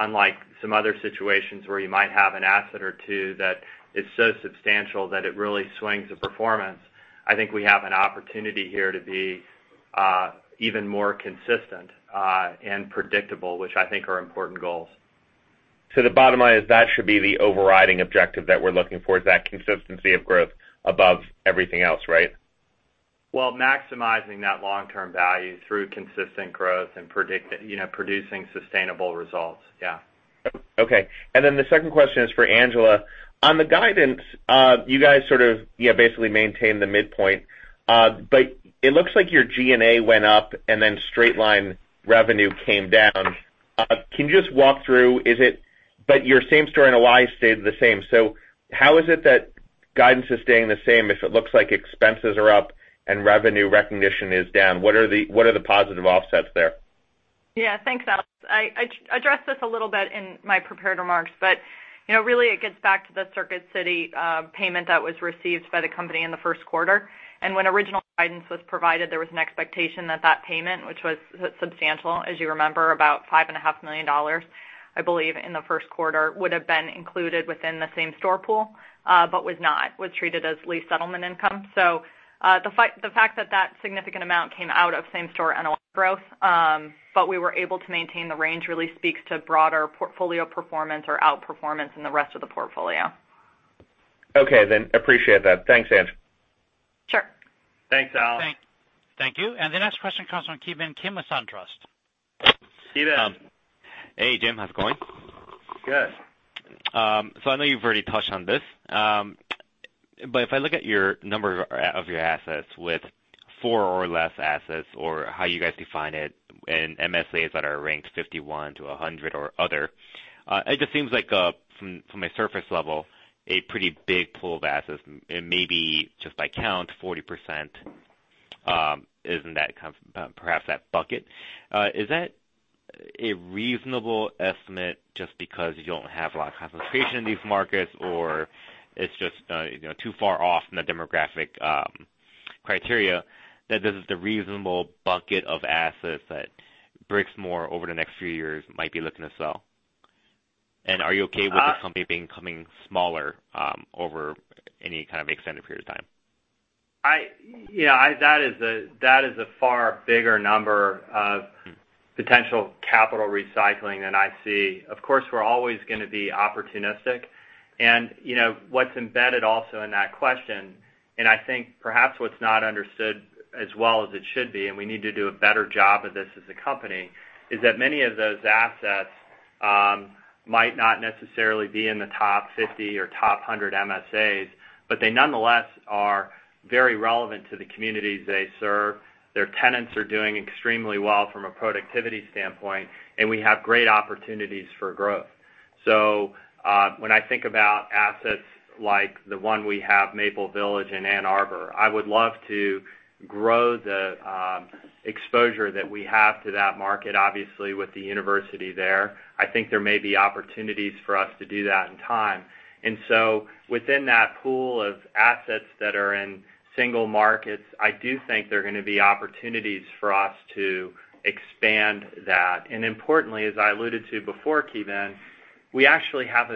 Unlike some other situations where you might have an asset or two that is so substantial that it really swings the performance, I think we have an opportunity here to be even more consistent and predictable, which I think are important goals. The bottom line is that should be the overriding objective that we're looking for, is that consistency of growth above everything else, right? Well, maximizing that long-term value through consistent growth and producing sustainable results. Yeah. The second question is for Angela. On the guidance, you guys sort of basically maintained the midpoint. It looks like your G&A went up and then straight-line revenue came down. Your same-store NOI stayed the same. How is it that guidance is staying the same if it looks like expenses are up and revenue recognition is down? What are the positive offsets there? Yeah. Thanks, Alex. I addressed this a little bit in my prepared remarks, really, it gets back to the Circuit City payment that was received by the company in the first quarter. When original guidance was provided, there was an expectation that that payment, which was substantial, as you remember, about $5.5 million, I believe, in the first quarter, would've been included within the same-store pool, was not. Was treated as lease settlement income. The fact that that significant amount came out of same-store NOI growth, we were able to maintain the range really speaks to broader portfolio performance or outperformance in the rest of the portfolio. Okay, then. Appreciate that. Thanks, Ang. Sure. Thanks, Alex. Thank you. The next question comes from Ki Bin Kim with SunTrust. Ki Bin. Hey, Jim. How's it going? Good. I know you've already touched on this. If I look at your number of your assets with four or less assets, or how you guys define it in MSAs that are ranked 51 to 100 or other, it just seems like, from a surface level, a pretty big pool of assets, and maybe just by count, 40% is in perhaps that bucket. Is that a reasonable estimate just because you don't have a lot of concentration in these markets, or it's just too far off in the demographic criteria that this is the reasonable bucket of assets that Brixmor, over the next few years, might be looking to sell? Are you okay with the company becoming smaller over any kind of extended period of time? Yeah, that is a far bigger number of potential capital recycling than I see. Of course, we're always going to be opportunistic. What's embedded also in that question, and I think perhaps what's not understood as well as it should be, we need to do a better job of this as a company, is that many of those assets might not necessarily be in the top 50 or top 100 MSAs, but they nonetheless are very relevant to the communities they serve. Their tenants are doing extremely well from a productivity standpoint, and we have great opportunities for growth. When I think about assets like the one we have, Maple Village in Ann Arbor, I would love to grow the exposure that we have to that market. Obviously, with the university there, I think there may be opportunities for us to do that in time. Within that pool of assets that are in single markets, I do think there are going to be opportunities for us to expand that. Importantly, as I alluded to before, Ki Bin, we actually have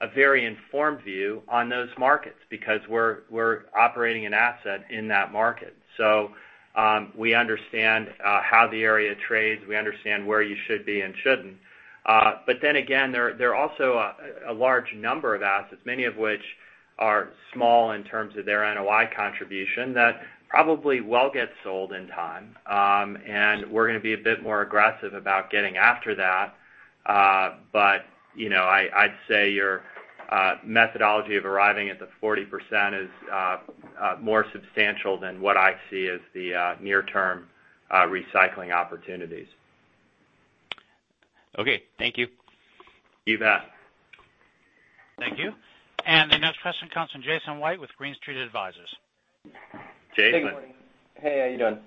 a very informed view on those markets because we're operating an asset in that market. We understand how the area trades. We understand where you should be and shouldn't. Again, there are also a large number of assets, many of which are small in terms of their NOI contribution, that probably will get sold in time. We're going to be a bit more aggressive about getting after that. I'd say your methodology of arriving at the 40% is more substantial than what I see as the near-term recycling opportunities. Okay. Thank you. You bet. Thank you. The next question comes from Jason White with Green Street Advisors. Jason. Hey, good morning. Hey, how you doing? Good.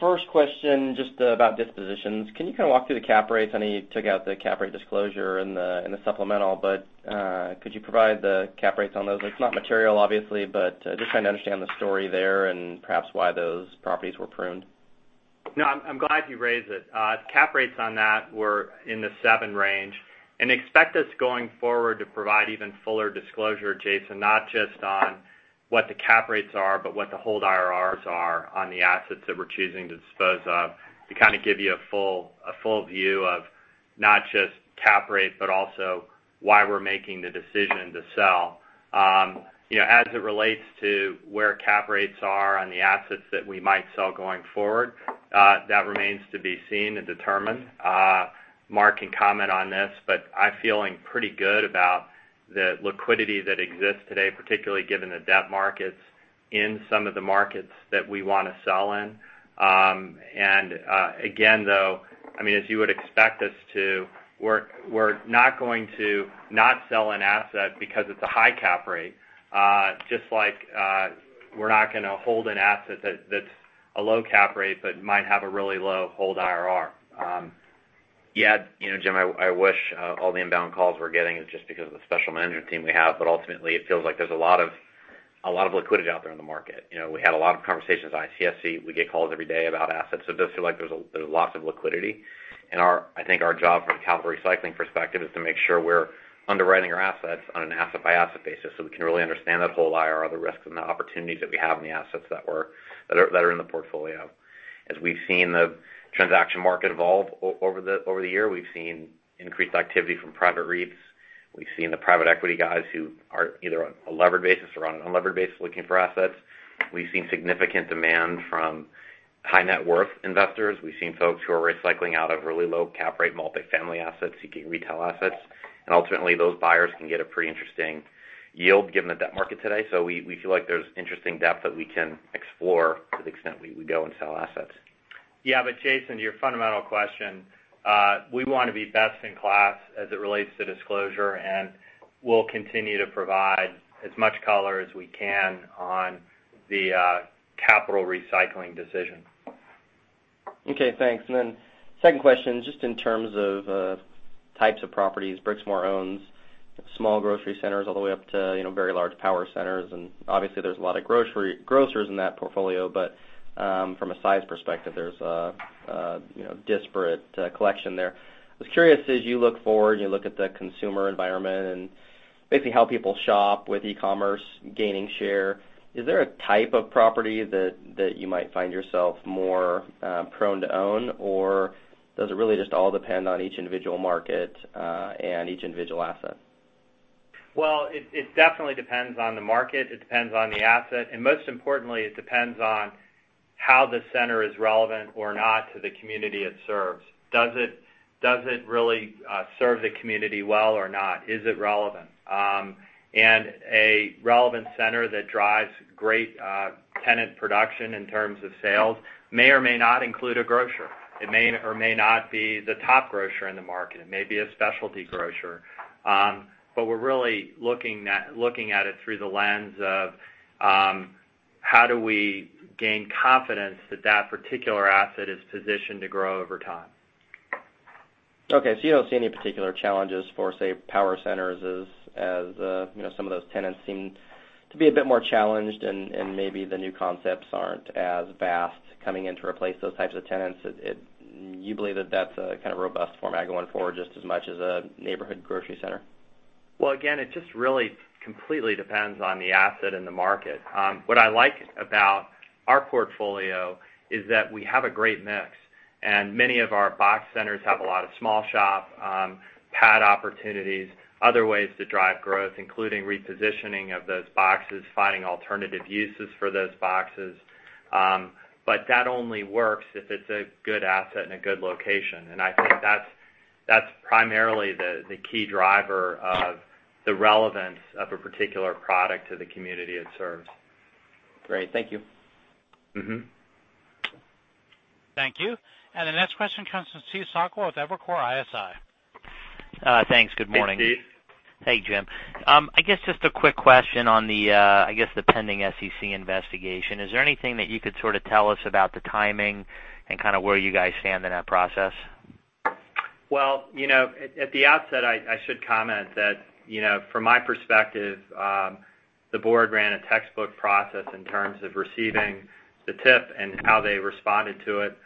First question, just about dispositions. Can you kind of walk through the cap rates? I know you took out the cap rate disclosure in the supplemental, but could you provide the cap rates on those? It is not material, obviously, but just trying to understand the story there and perhaps why those properties were pruned. No, I am glad you raised it. Cap rates on that were in the 7 range. Expect us, going forward, to provide even fuller disclosure, Jason, not just on what the cap rates are, but what the hold IRRs are on the assets that we are choosing to dispose of to kind of give you a full view of not just cap rate, but also why we are making the decision to sell. As it relates to where cap rates are on the assets that we might sell going forward, that remains to be seen and determined. Mark can comment on this, but I am feeling pretty good about the liquidity that exists today, particularly given the debt markets in some of the markets that we want to sell in. Again, though, as you would expect us to, we are not going to not sell an asset because it is a high cap rate, just like we are not going to hold an asset that is a low cap rate but might have a really low hold IRR. Yeah. Jim, I wish all the inbound calls we are getting is just because of the special management team we have, but ultimately, it feels like there is a lot of liquidity out there in the market. We had a lot of conversations at ICSC. We get calls every day about assets. It does feel like there is lots of liquidity. I think our job from a capital recycling perspective is to make sure we are underwriting our assets on an asset-by-asset basis, so we can really understand that whole IRR, the risks and the opportunities that we have in the assets that are in the portfolio. As we have seen the transaction market evolve over the year, we have seen increased activity from private REITs. We have seen the private equity guys who are either on a levered basis or on an unlevered basis looking for assets. We've seen significant demand from high net worth investors. We've seen folks who are recycling out of really low cap rate multifamily assets, seeking retail assets. Ultimately, those buyers can get a pretty interesting yield given the debt market today. We feel like there's interesting depth that we can explore to the extent we go and sell assets. Yeah. Jason, to your fundamental question, we want to be best in class as it relates to disclosure, and we'll continue to provide as much color as we can on the capital recycling decision. Okay, thanks. Second question, just in terms of types of properties Brixmor owns, small grocery centers all the way up to very large power centers. Obviously, there's a lot of grocers in that portfolio, but from a size perspective, there's a disparate collection there. I was curious, as you look forward and you look at the consumer environment and basically how people shop with e-commerce gaining share, is there a type of property that you might find yourself more prone to own? Does it really just all depend on each individual market, and each individual asset? Well, it definitely depends on the market. It depends on the asset. Most importantly, it depends on how the center is relevant or not to the community it serves. Does it really serve the community well or not? Is it relevant? A relevant center that drives great tenant production in terms of sales may or may not include a grocer. It may or may not be the top grocer in the market. It may be a specialty grocer. We're really looking at it through the lens of how do we gain confidence that that particular asset is positioned to grow over time. Okay. You don't see any particular challenges for, say, power centers as some of those tenants seem to be a bit more challenged and maybe the new concepts aren't as vast coming in to replace those types of tenants. You believe that that's a kind of robust format going forward, just as much as a neighborhood grocery center? Well, again, it just really completely depends on the asset and the market. What I like about our portfolio is that we have a great mix. Many of our box centers have a lot of small shop pad opportunities, other ways to drive growth, including repositioning of those boxes, finding alternative uses for those boxes. That only works if it's a good asset and a good location. I think that's primarily the key driver of the relevance of a particular product to the community it serves. Great. Thank you. Thank you. The next question comes from Steve Sakwa with Evercore ISI. Thanks. Good morning. Thanks, Steve. Hey, Jim. I guess just a quick question on the pending SEC investigation. Is there anything that you could sort of tell us about the timing and kind of where you guys stand in that process? Well, at the outset, I should comment that from my perspective, the board ran a textbook process in terms of receiving the tip and how they responded to it.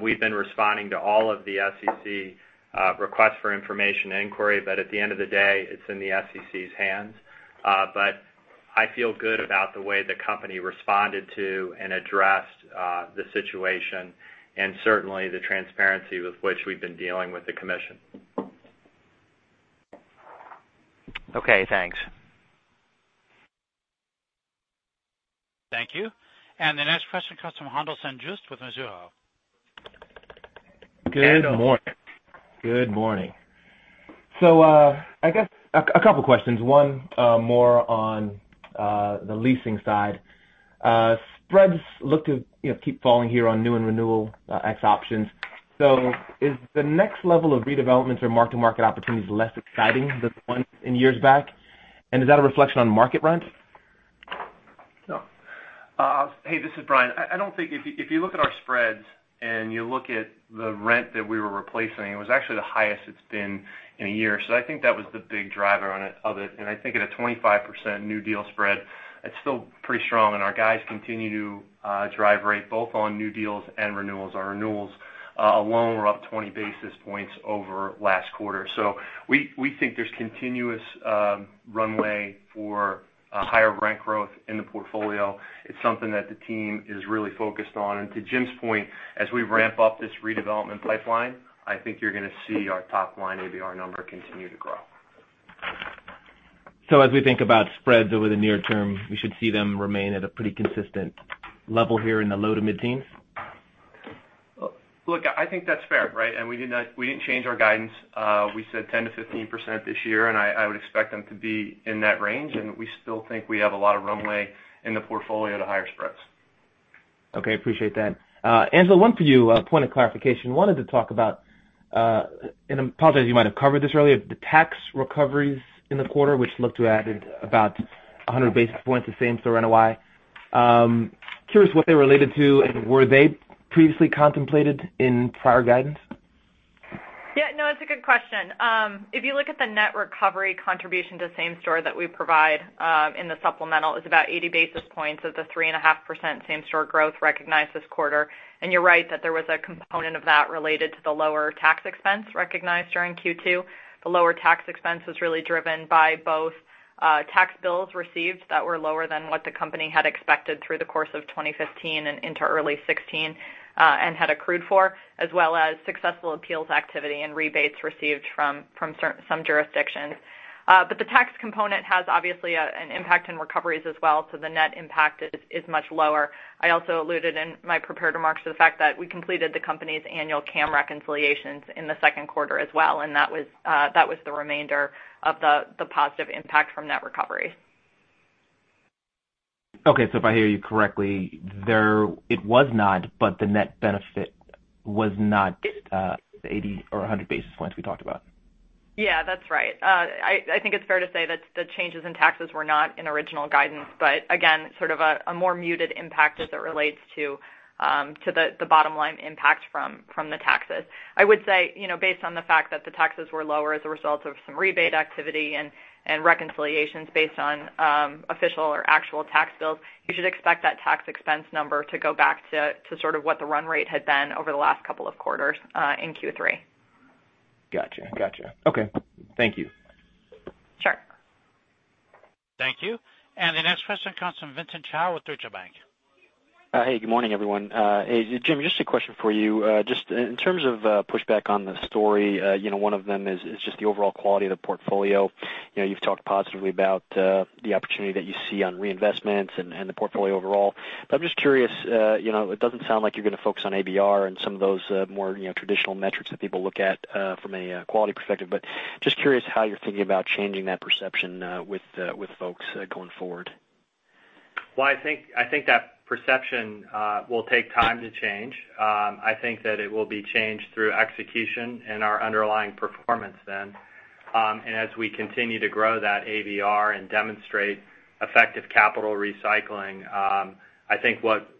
We've been responding to all of the SEC requests for information inquiry, at the end of the day, it's in the SEC's hands. I feel good about the way the company responded to and addressed the situation and certainly the transparency with which we've been dealing with the commission. Okay, thanks. Thank you. The next question comes from Haendel St. Juste with Mizuho. Good morning. I guess a couple questions. One more on the leasing side. Spreads look to keep falling here on new and renewal X options. Is the next level of redevelopments or mark-to-market opportunities less exciting than the ones in years back? Is that a reflection on market rent? No. Hey, this is Brian. If you look at our spreads and you look at the rent that we were replacing, it was actually the highest it's been in a year. I think that was the big driver of it. I think at a 25% new deal spread, it's still pretty strong, and our guys continue to drive rate both on new deals and renewals. Our renewals alone were up 20 basis points over last quarter. We think there's continuous runway for higher rent growth in the portfolio. It's something that the team is really focused on. To Jim's point, as we ramp up this redevelopment pipeline, I think you're going to see our top-line ABR number continue to grow. As we think about spreads over the near term, we should see them remain at a pretty consistent level here in the low to mid-teens? I think that's fair, right? We didn't change our guidance. We said 10%-15% this year, I would expect them to be in that range. We still think we have a lot of runway in the portfolio to higher spreads. Appreciate that. Angela, one for you, point of clarification. Wanted to talk about, and I apologize, you might have covered this earlier, the tax recoveries in the quarter, which look to have added about 100 basis points of same-store NOI. Curious what they related to, and were they previously contemplated in prior guidance? It's a good question. If you look at the net recovery contribution to same-store that we provide in the supplemental, it's about 80 basis points of the 3.5% same-store growth recognized this quarter. You're right that there was a component of that related to the lower tax expense recognized during Q2. The lower tax expense was really driven by both tax bills received that were lower than what the company had expected through the course of 2015 and into early 2016, and had accrued for, as well as successful appeals activity and rebates received from some jurisdictions. The tax component has obviously an impact in recoveries as well, so the net impact is much lower. I also alluded in my prepared remarks to the fact that we completed the company's annual CAM reconciliations in the second quarter as well, and that was the remainder of the positive impact from net recovery. Okay. If I hear you correctly, it was not, but the net benefit was not 80 or 100 basis points we talked about. Yeah, that's right. I think it's fair to say that the changes in taxes were not in original guidance, but again, sort of a more muted impact as it relates to the bottom-line impact from the taxes. I would say, based on the fact that the taxes were lower as a result of some rebate activity and reconciliations based on official or actual tax bills, you should expect that tax expense number to go back to sort of what the run rate had been over the last couple of quarters in Q3. Gotcha. Okay. Thank you. Sure. Thank you. The next question comes from Vincent Chao with Deutsche Bank. Hey, good morning, everyone. Hey, Jim, just a question for you. Just in terms of pushback on the story, one of them is just the overall quality of the portfolio. You've talked positively about the opportunity that you see on reinvestments and the portfolio overall. I'm just curious, it doesn't sound like you're going to focus on ABR and some of those more traditional metrics that people look at from a quality perspective, but just curious how you're thinking about changing that perception with folks going forward. Well, I think that perception will take time to change. I think that it will be changed through execution and our underlying performance then. As we continue to grow that ABR and demonstrate effective capital recycling, I think what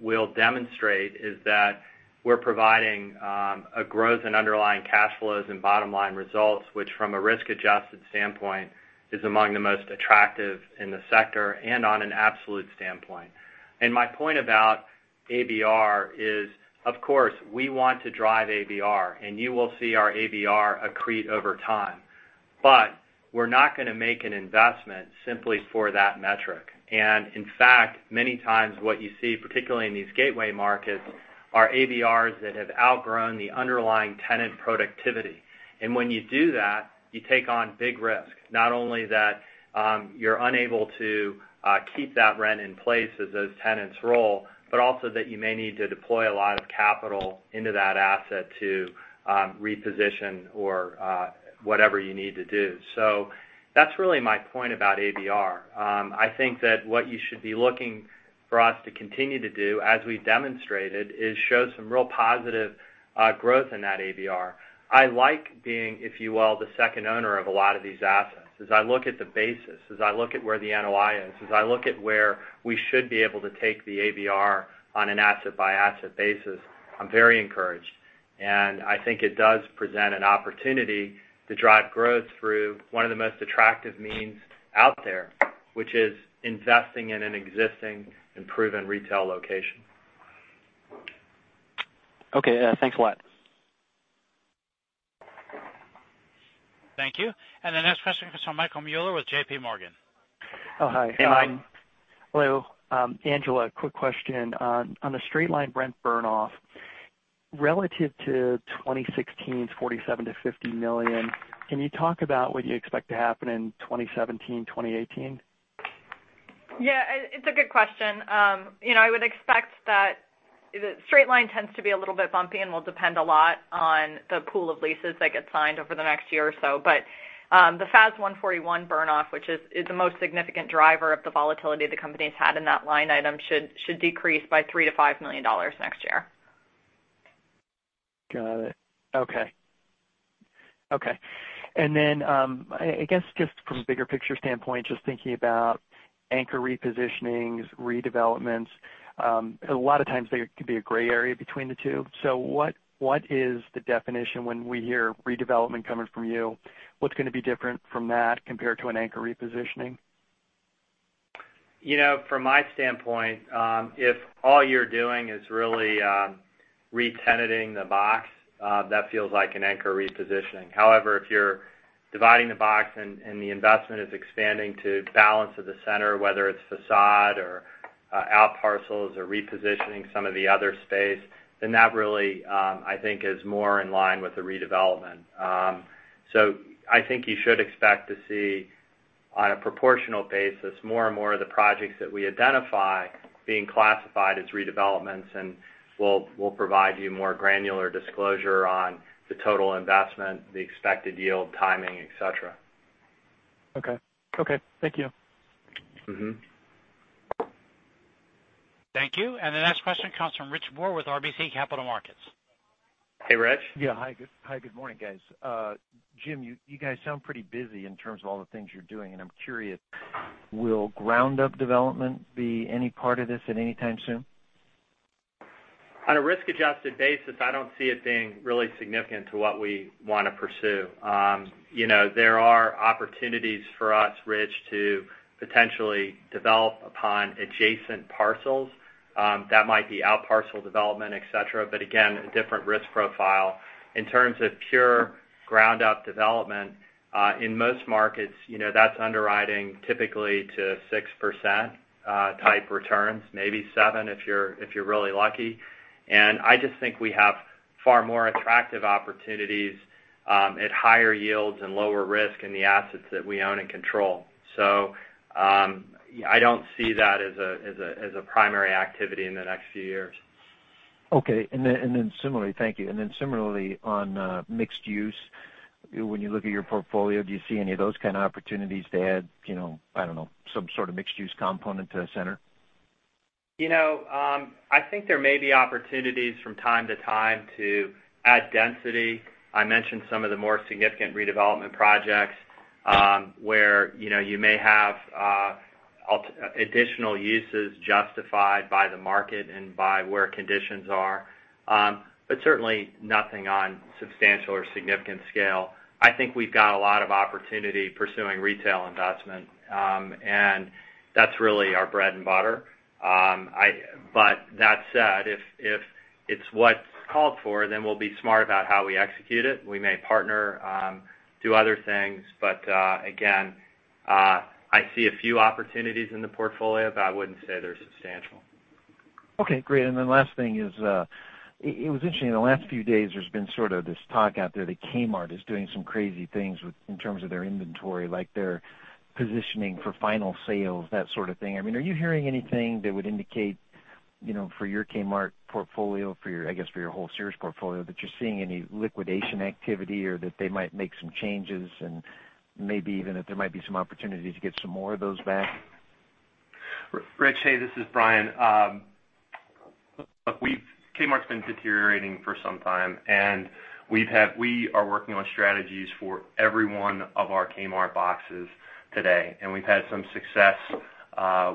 we'll demonstrate is that we're providing a growth in underlying cash flows and bottom-line results, which from a risk-adjusted standpoint, is among the most attractive in the sector and on an absolute standpoint. My point about ABR is, of course, we want to drive ABR, and you will see our ABR accrete over time. We're not going to make an investment simply for that metric. In fact, many times what you see, particularly in these gateway markets, are ABRs that have outgrown the underlying tenant productivity. When you do that, you take on big risk. Not only that you're unable to keep that rent in place as those tenants roll, but also that you may need to deploy a lot of capital into that asset to reposition or whatever you need to do. That's really my point about ABR. I think that what you should be looking for us to continue to do, as we've demonstrated, is show some real positive growth in that ABR. I like being, if you will, the second owner of a lot of these assets. As I look at the basis, as I look at where the NOI is, as I look at where we should be able to take the ABR on an asset-by-asset basis, I'm very encouraged. I think it does present an opportunity to drive growth through one of the most attractive means out there, which is investing in an existing and proven retail location. Okay. Thanks a lot. Thank you. The next question comes from Michael Mueller with J.P. Morgan. Hi. Hey, Mike. Hello. Angela, quick question. On the straight-line rent burn off, relative to 2016's $47 million-$50 million, can you talk about what you expect to happen in 2017, 2018? Yeah. It's a good question. I would expect that straight line tends to be a little bit bumpy and will depend a lot on the pool of leases that get signed over the next year or so. The FAS 141 burn off, which is the most significant driver of the volatility the company's had in that line item, should decrease by $3 million-$5 million next year. Got it. Okay. I guess just from a bigger picture standpoint, just thinking about anchor repositionings, redevelopments, a lot of times there could be a gray area between the two. What is the definition when we hear redevelopment coming from you? What's going to be different from that compared to an anchor repositioning? From my standpoint, if all you're doing is really re-tenanting the box, that feels like an anchor repositioning. However, if you're dividing the box and the investment is expanding to balance of the center, whether it's facade or out parcels or repositioning some of the other space, then that really, I think, is more in line with the redevelopment. I think you should expect to see, on a proportional basis, more and more of the projects that we identify being classified as redevelopments, and we'll provide you more granular disclosure on the total investment, the expected yield, timing, et cetera. Okay. Thank you. Thank you. The next question comes from Rich Moore with RBC Capital Markets. Hey, Rich. Yeah. Hi, good morning, guys. Jim, you guys sound pretty busy in terms of all the things you're doing, and I'm curious, will ground-up development be any part of this at any time soon? On a risk-adjusted basis, I don't see it being really significant to what we want to pursue. There are opportunities for us, Rich, to potentially develop upon adjacent parcels. That might be out parcel development, et cetera, but again, a different risk profile. In terms of pure ground-up development, in most markets, that's underwriting typically to 6% type returns, maybe 7% if you're really lucky. I just think we have far more attractive opportunities at higher yields and lower risk in the assets that we own and control. I don't see that as a primary activity in the next few years. Okay. Thank you. Similarly, on mixed-use, when you look at your portfolio, do you see any of those kind of opportunities to add, I don't know, some sort of mixed-use component to the center? I think there may be opportunities from time to time to add density. I mentioned some of the more significant redevelopment projects, where you may have additional uses justified by the market and by where conditions are. Certainly nothing on substantial or significant scale. I think we've got a lot of opportunity pursuing retail investment. That's really our bread and butter. That said, if it's what's called for, then we'll be smart about how we execute it. We may partner, do other things. Again, I see a few opportunities in the portfolio, but I wouldn't say they're substantial. Okay, great. Last thing is, it was interesting in the last few days, there's been sort of this talk out there that Kmart is doing some crazy things in terms of their inventory, like they're positioning for final sales, that sort of thing. Are you hearing anything that would indicate for your Kmart portfolio, for your whole Sears portfolio, that you're seeing any liquidation activity or that they might make some changes and maybe even that there might be some opportunity to get some more of those back? Rich, hey, this is Brian. Kmart's been deteriorating for some time, and we are working on strategies for every one of our Kmart boxes today, and we've had some success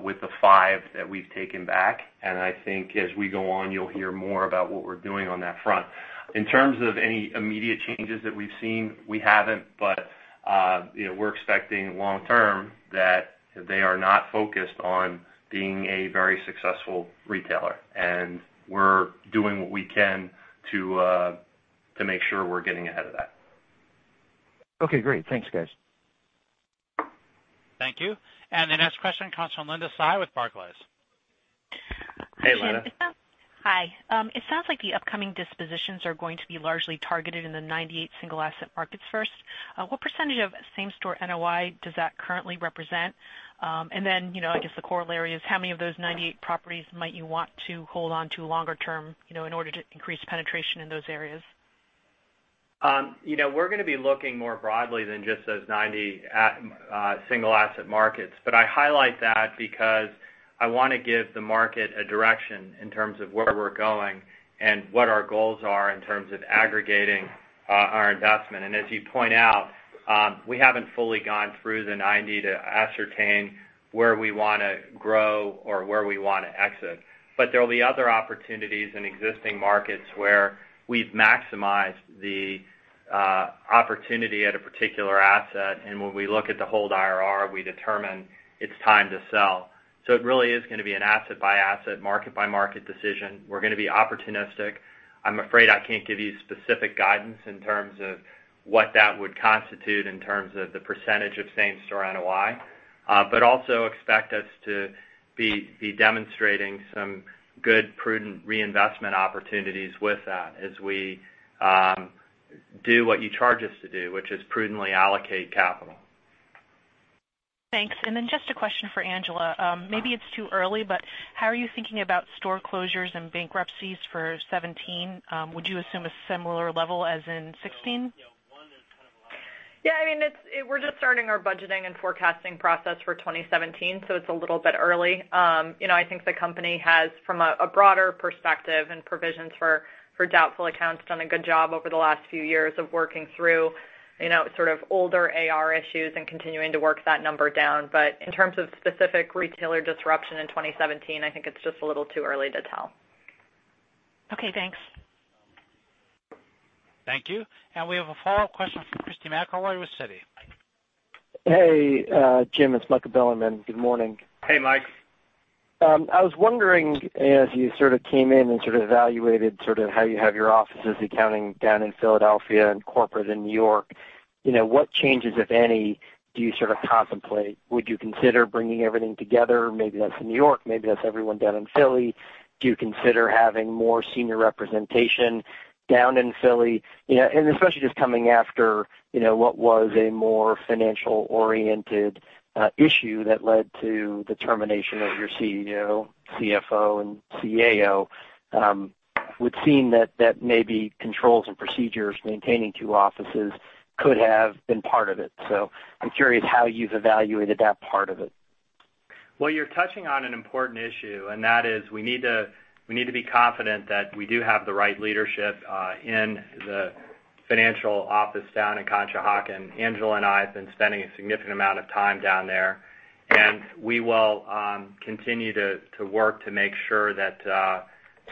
with the five that we've taken back, and I think as we go on, you'll hear more about what we're doing on that front. In terms of any immediate changes that we've seen, we haven't, but we're expecting long term that they are not focused on being a very successful retailer. We're doing what we can to make sure we're getting ahead of that. Okay, great. Thanks, guys. Thank you. The next question comes from Linda Tsai with Barclays. Hey, Linda. Hi, Linda. Hi. It sounds like the upcoming dispositions are going to be largely targeted in the 98 single asset markets first. What percentage of same store NOI does that currently represent? I guess the corollary is how many of those 98 properties might you want to hold onto longer term in order to increase penetration in those areas? We're gonna be looking more broadly than just those 90 single asset markets. I highlight that because I want to give the market a direction in terms of where we're going and what our goals are in terms of aggregating our investment. As you point out, we haven't fully gone through the 90 to ascertain where we want to grow or where we want to exit. There'll be other opportunities in existing markets where we've maximized the opportunity at a particular asset, and when we look at the hold IRR, we determine it's time to sell. It really is going to be an asset-by-asset, market-by-market decision. We're going to be opportunistic. I'm afraid I can't give you specific guidance in terms of what that would constitute in terms of the percentage of same-store NOI. Also expect us to be demonstrating some good, prudent reinvestment opportunities with that as we do what you charge us to do, which is prudently allocate capital. Thanks. Just a question for Angela Aman. Maybe it's too early, but how are you thinking about store closures and bankruptcies for 2017? Would you assume a similar level as in 2016? Yeah, one is kind of- Yeah. We're just starting our budgeting and forecasting process for 2017, so it's a little bit early. I think the company has, from a broader perspective and provisions for doubtful accounts, done a good job over the last few years of working through sort of older AR issues and continuing to work that number down. In terms of specific retailer disruption in 2017, I think it's just a little too early to tell. Okay, thanks. Thank you. We have a follow-up question from Christy McElroy with Citi. Hey, Jim. It's Michael Bilerman. Good morning. Hey, Mike. I was wondering as you sort of came in and sort of evaluated sort of how you have your offices accounting down in Philadelphia and corporate in New York, what changes, if any, do you sort of contemplate? Would you consider bringing everything together? Maybe that's in New York, maybe that's everyone down in Philly. Do you consider having more senior representation down in Philly? Especially just coming after what was a more financial-oriented issue that led to the termination of your CEO, CFO, and CAO, would seem that maybe controls and procedures maintaining two offices could have been part of it. I'm curious how you've evaluated that part of it. Well, you're touching on an important issue, and that is we need to be confident that we do have the right leadership in the financial office down in Conshohocken. Angela and I have been spending a significant amount of time down there, and we will continue to work to make sure that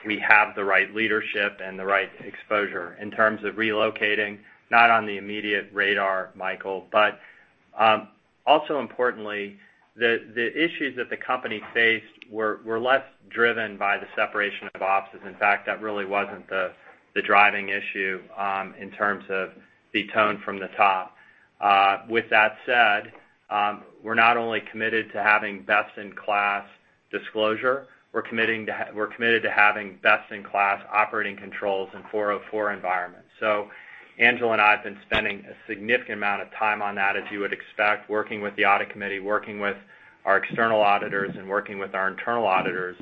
we have the right leadership and the right exposure. In terms of relocating, not on the immediate radar, Michael. Also importantly, the issues that the company faced were less driven by the separation of offices. In fact, that really wasn't the driving issue in terms of the tone from the top. With that said, we're not only committed to having best-in-class disclosure, we're committed to having best-in-class operating controls in 404 environments. Angela and I have been spending a significant amount of time on that, as you would expect, working with the audit committee, working with our external auditors, and working with our internal auditors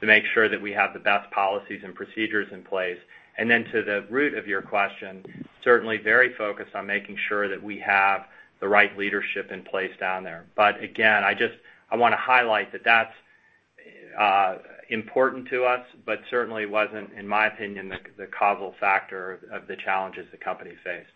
to make sure that we have the best policies and procedures in place. Then to the root of your question, certainly very focused on making sure that we have the right leadership in place down there. Again, I want to highlight that's important to us, certainly wasn't, in my opinion, the causal factor of the challenges the company faced.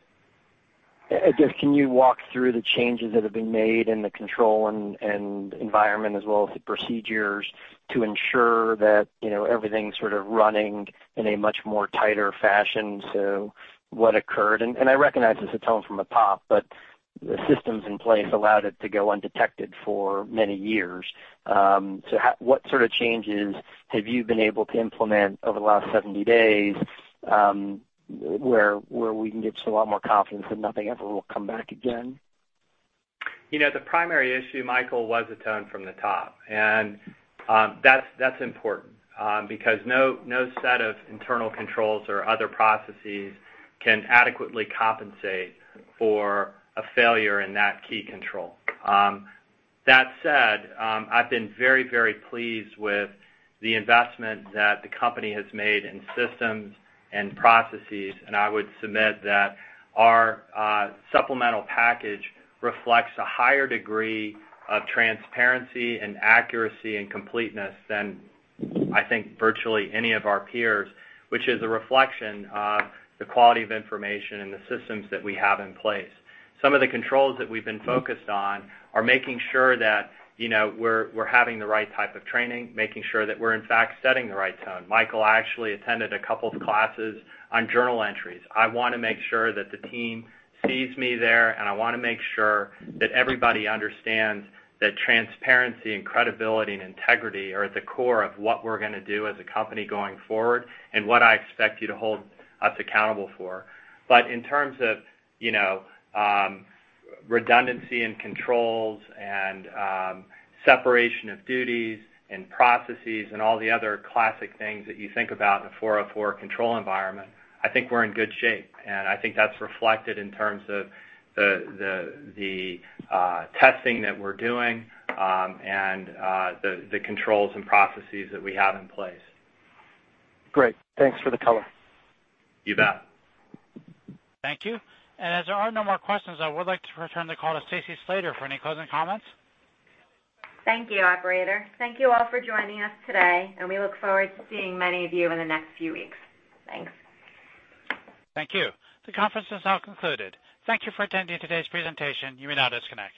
Just, can you walk through the changes that have been made in the control environment as well as the procedures to ensure that everything's sort of running in a much more tighter fashion to what occurred? I recognize it's a tone from the top, the systems in place allowed it to go undetected for many years. What sort of changes have you been able to implement over the last 70 days, where we can give just a lot more confidence that nothing ever will come back again? The primary issue, Michael, was the tone from the top. That's important because no set of internal controls or other processes can adequately compensate for a failure in that key control. That said, I've been very, very pleased with the investment that the company has made in systems and processes, I would submit that our supplemental package reflects a higher degree of transparency and accuracy and completeness than, I think, virtually any of our peers, which is a reflection of the quality of information and the systems that we have in place. Some of the controls that we've been focused on are making sure that we're having the right type of training, making sure that we're, in fact, setting the right tone. Michael, I actually attended a couple of classes on journal entries. I want to make sure that the team sees me there, I want to make sure that everybody understands that transparency and credibility and integrity are at the core of what we're going to do as a company going forward and what I expect you to hold us accountable for. In terms of redundancy and controls and separation of duties and processes and all the other classic things that you think about in a 404 control environment, I think we're in good shape. I think that's reflected in terms of the testing that we're doing and the controls and processes that we have in place. Great. Thanks for the color. You bet. Thank you. As there are no more questions, I would like to return the call to Stacy Slater for any closing comments. Thank you, operator. Thank you all for joining us today, and we look forward to seeing many of you in the next few weeks. Thanks. Thank you. The conference is now concluded. Thank you for attending today's presentation. You may now disconnect.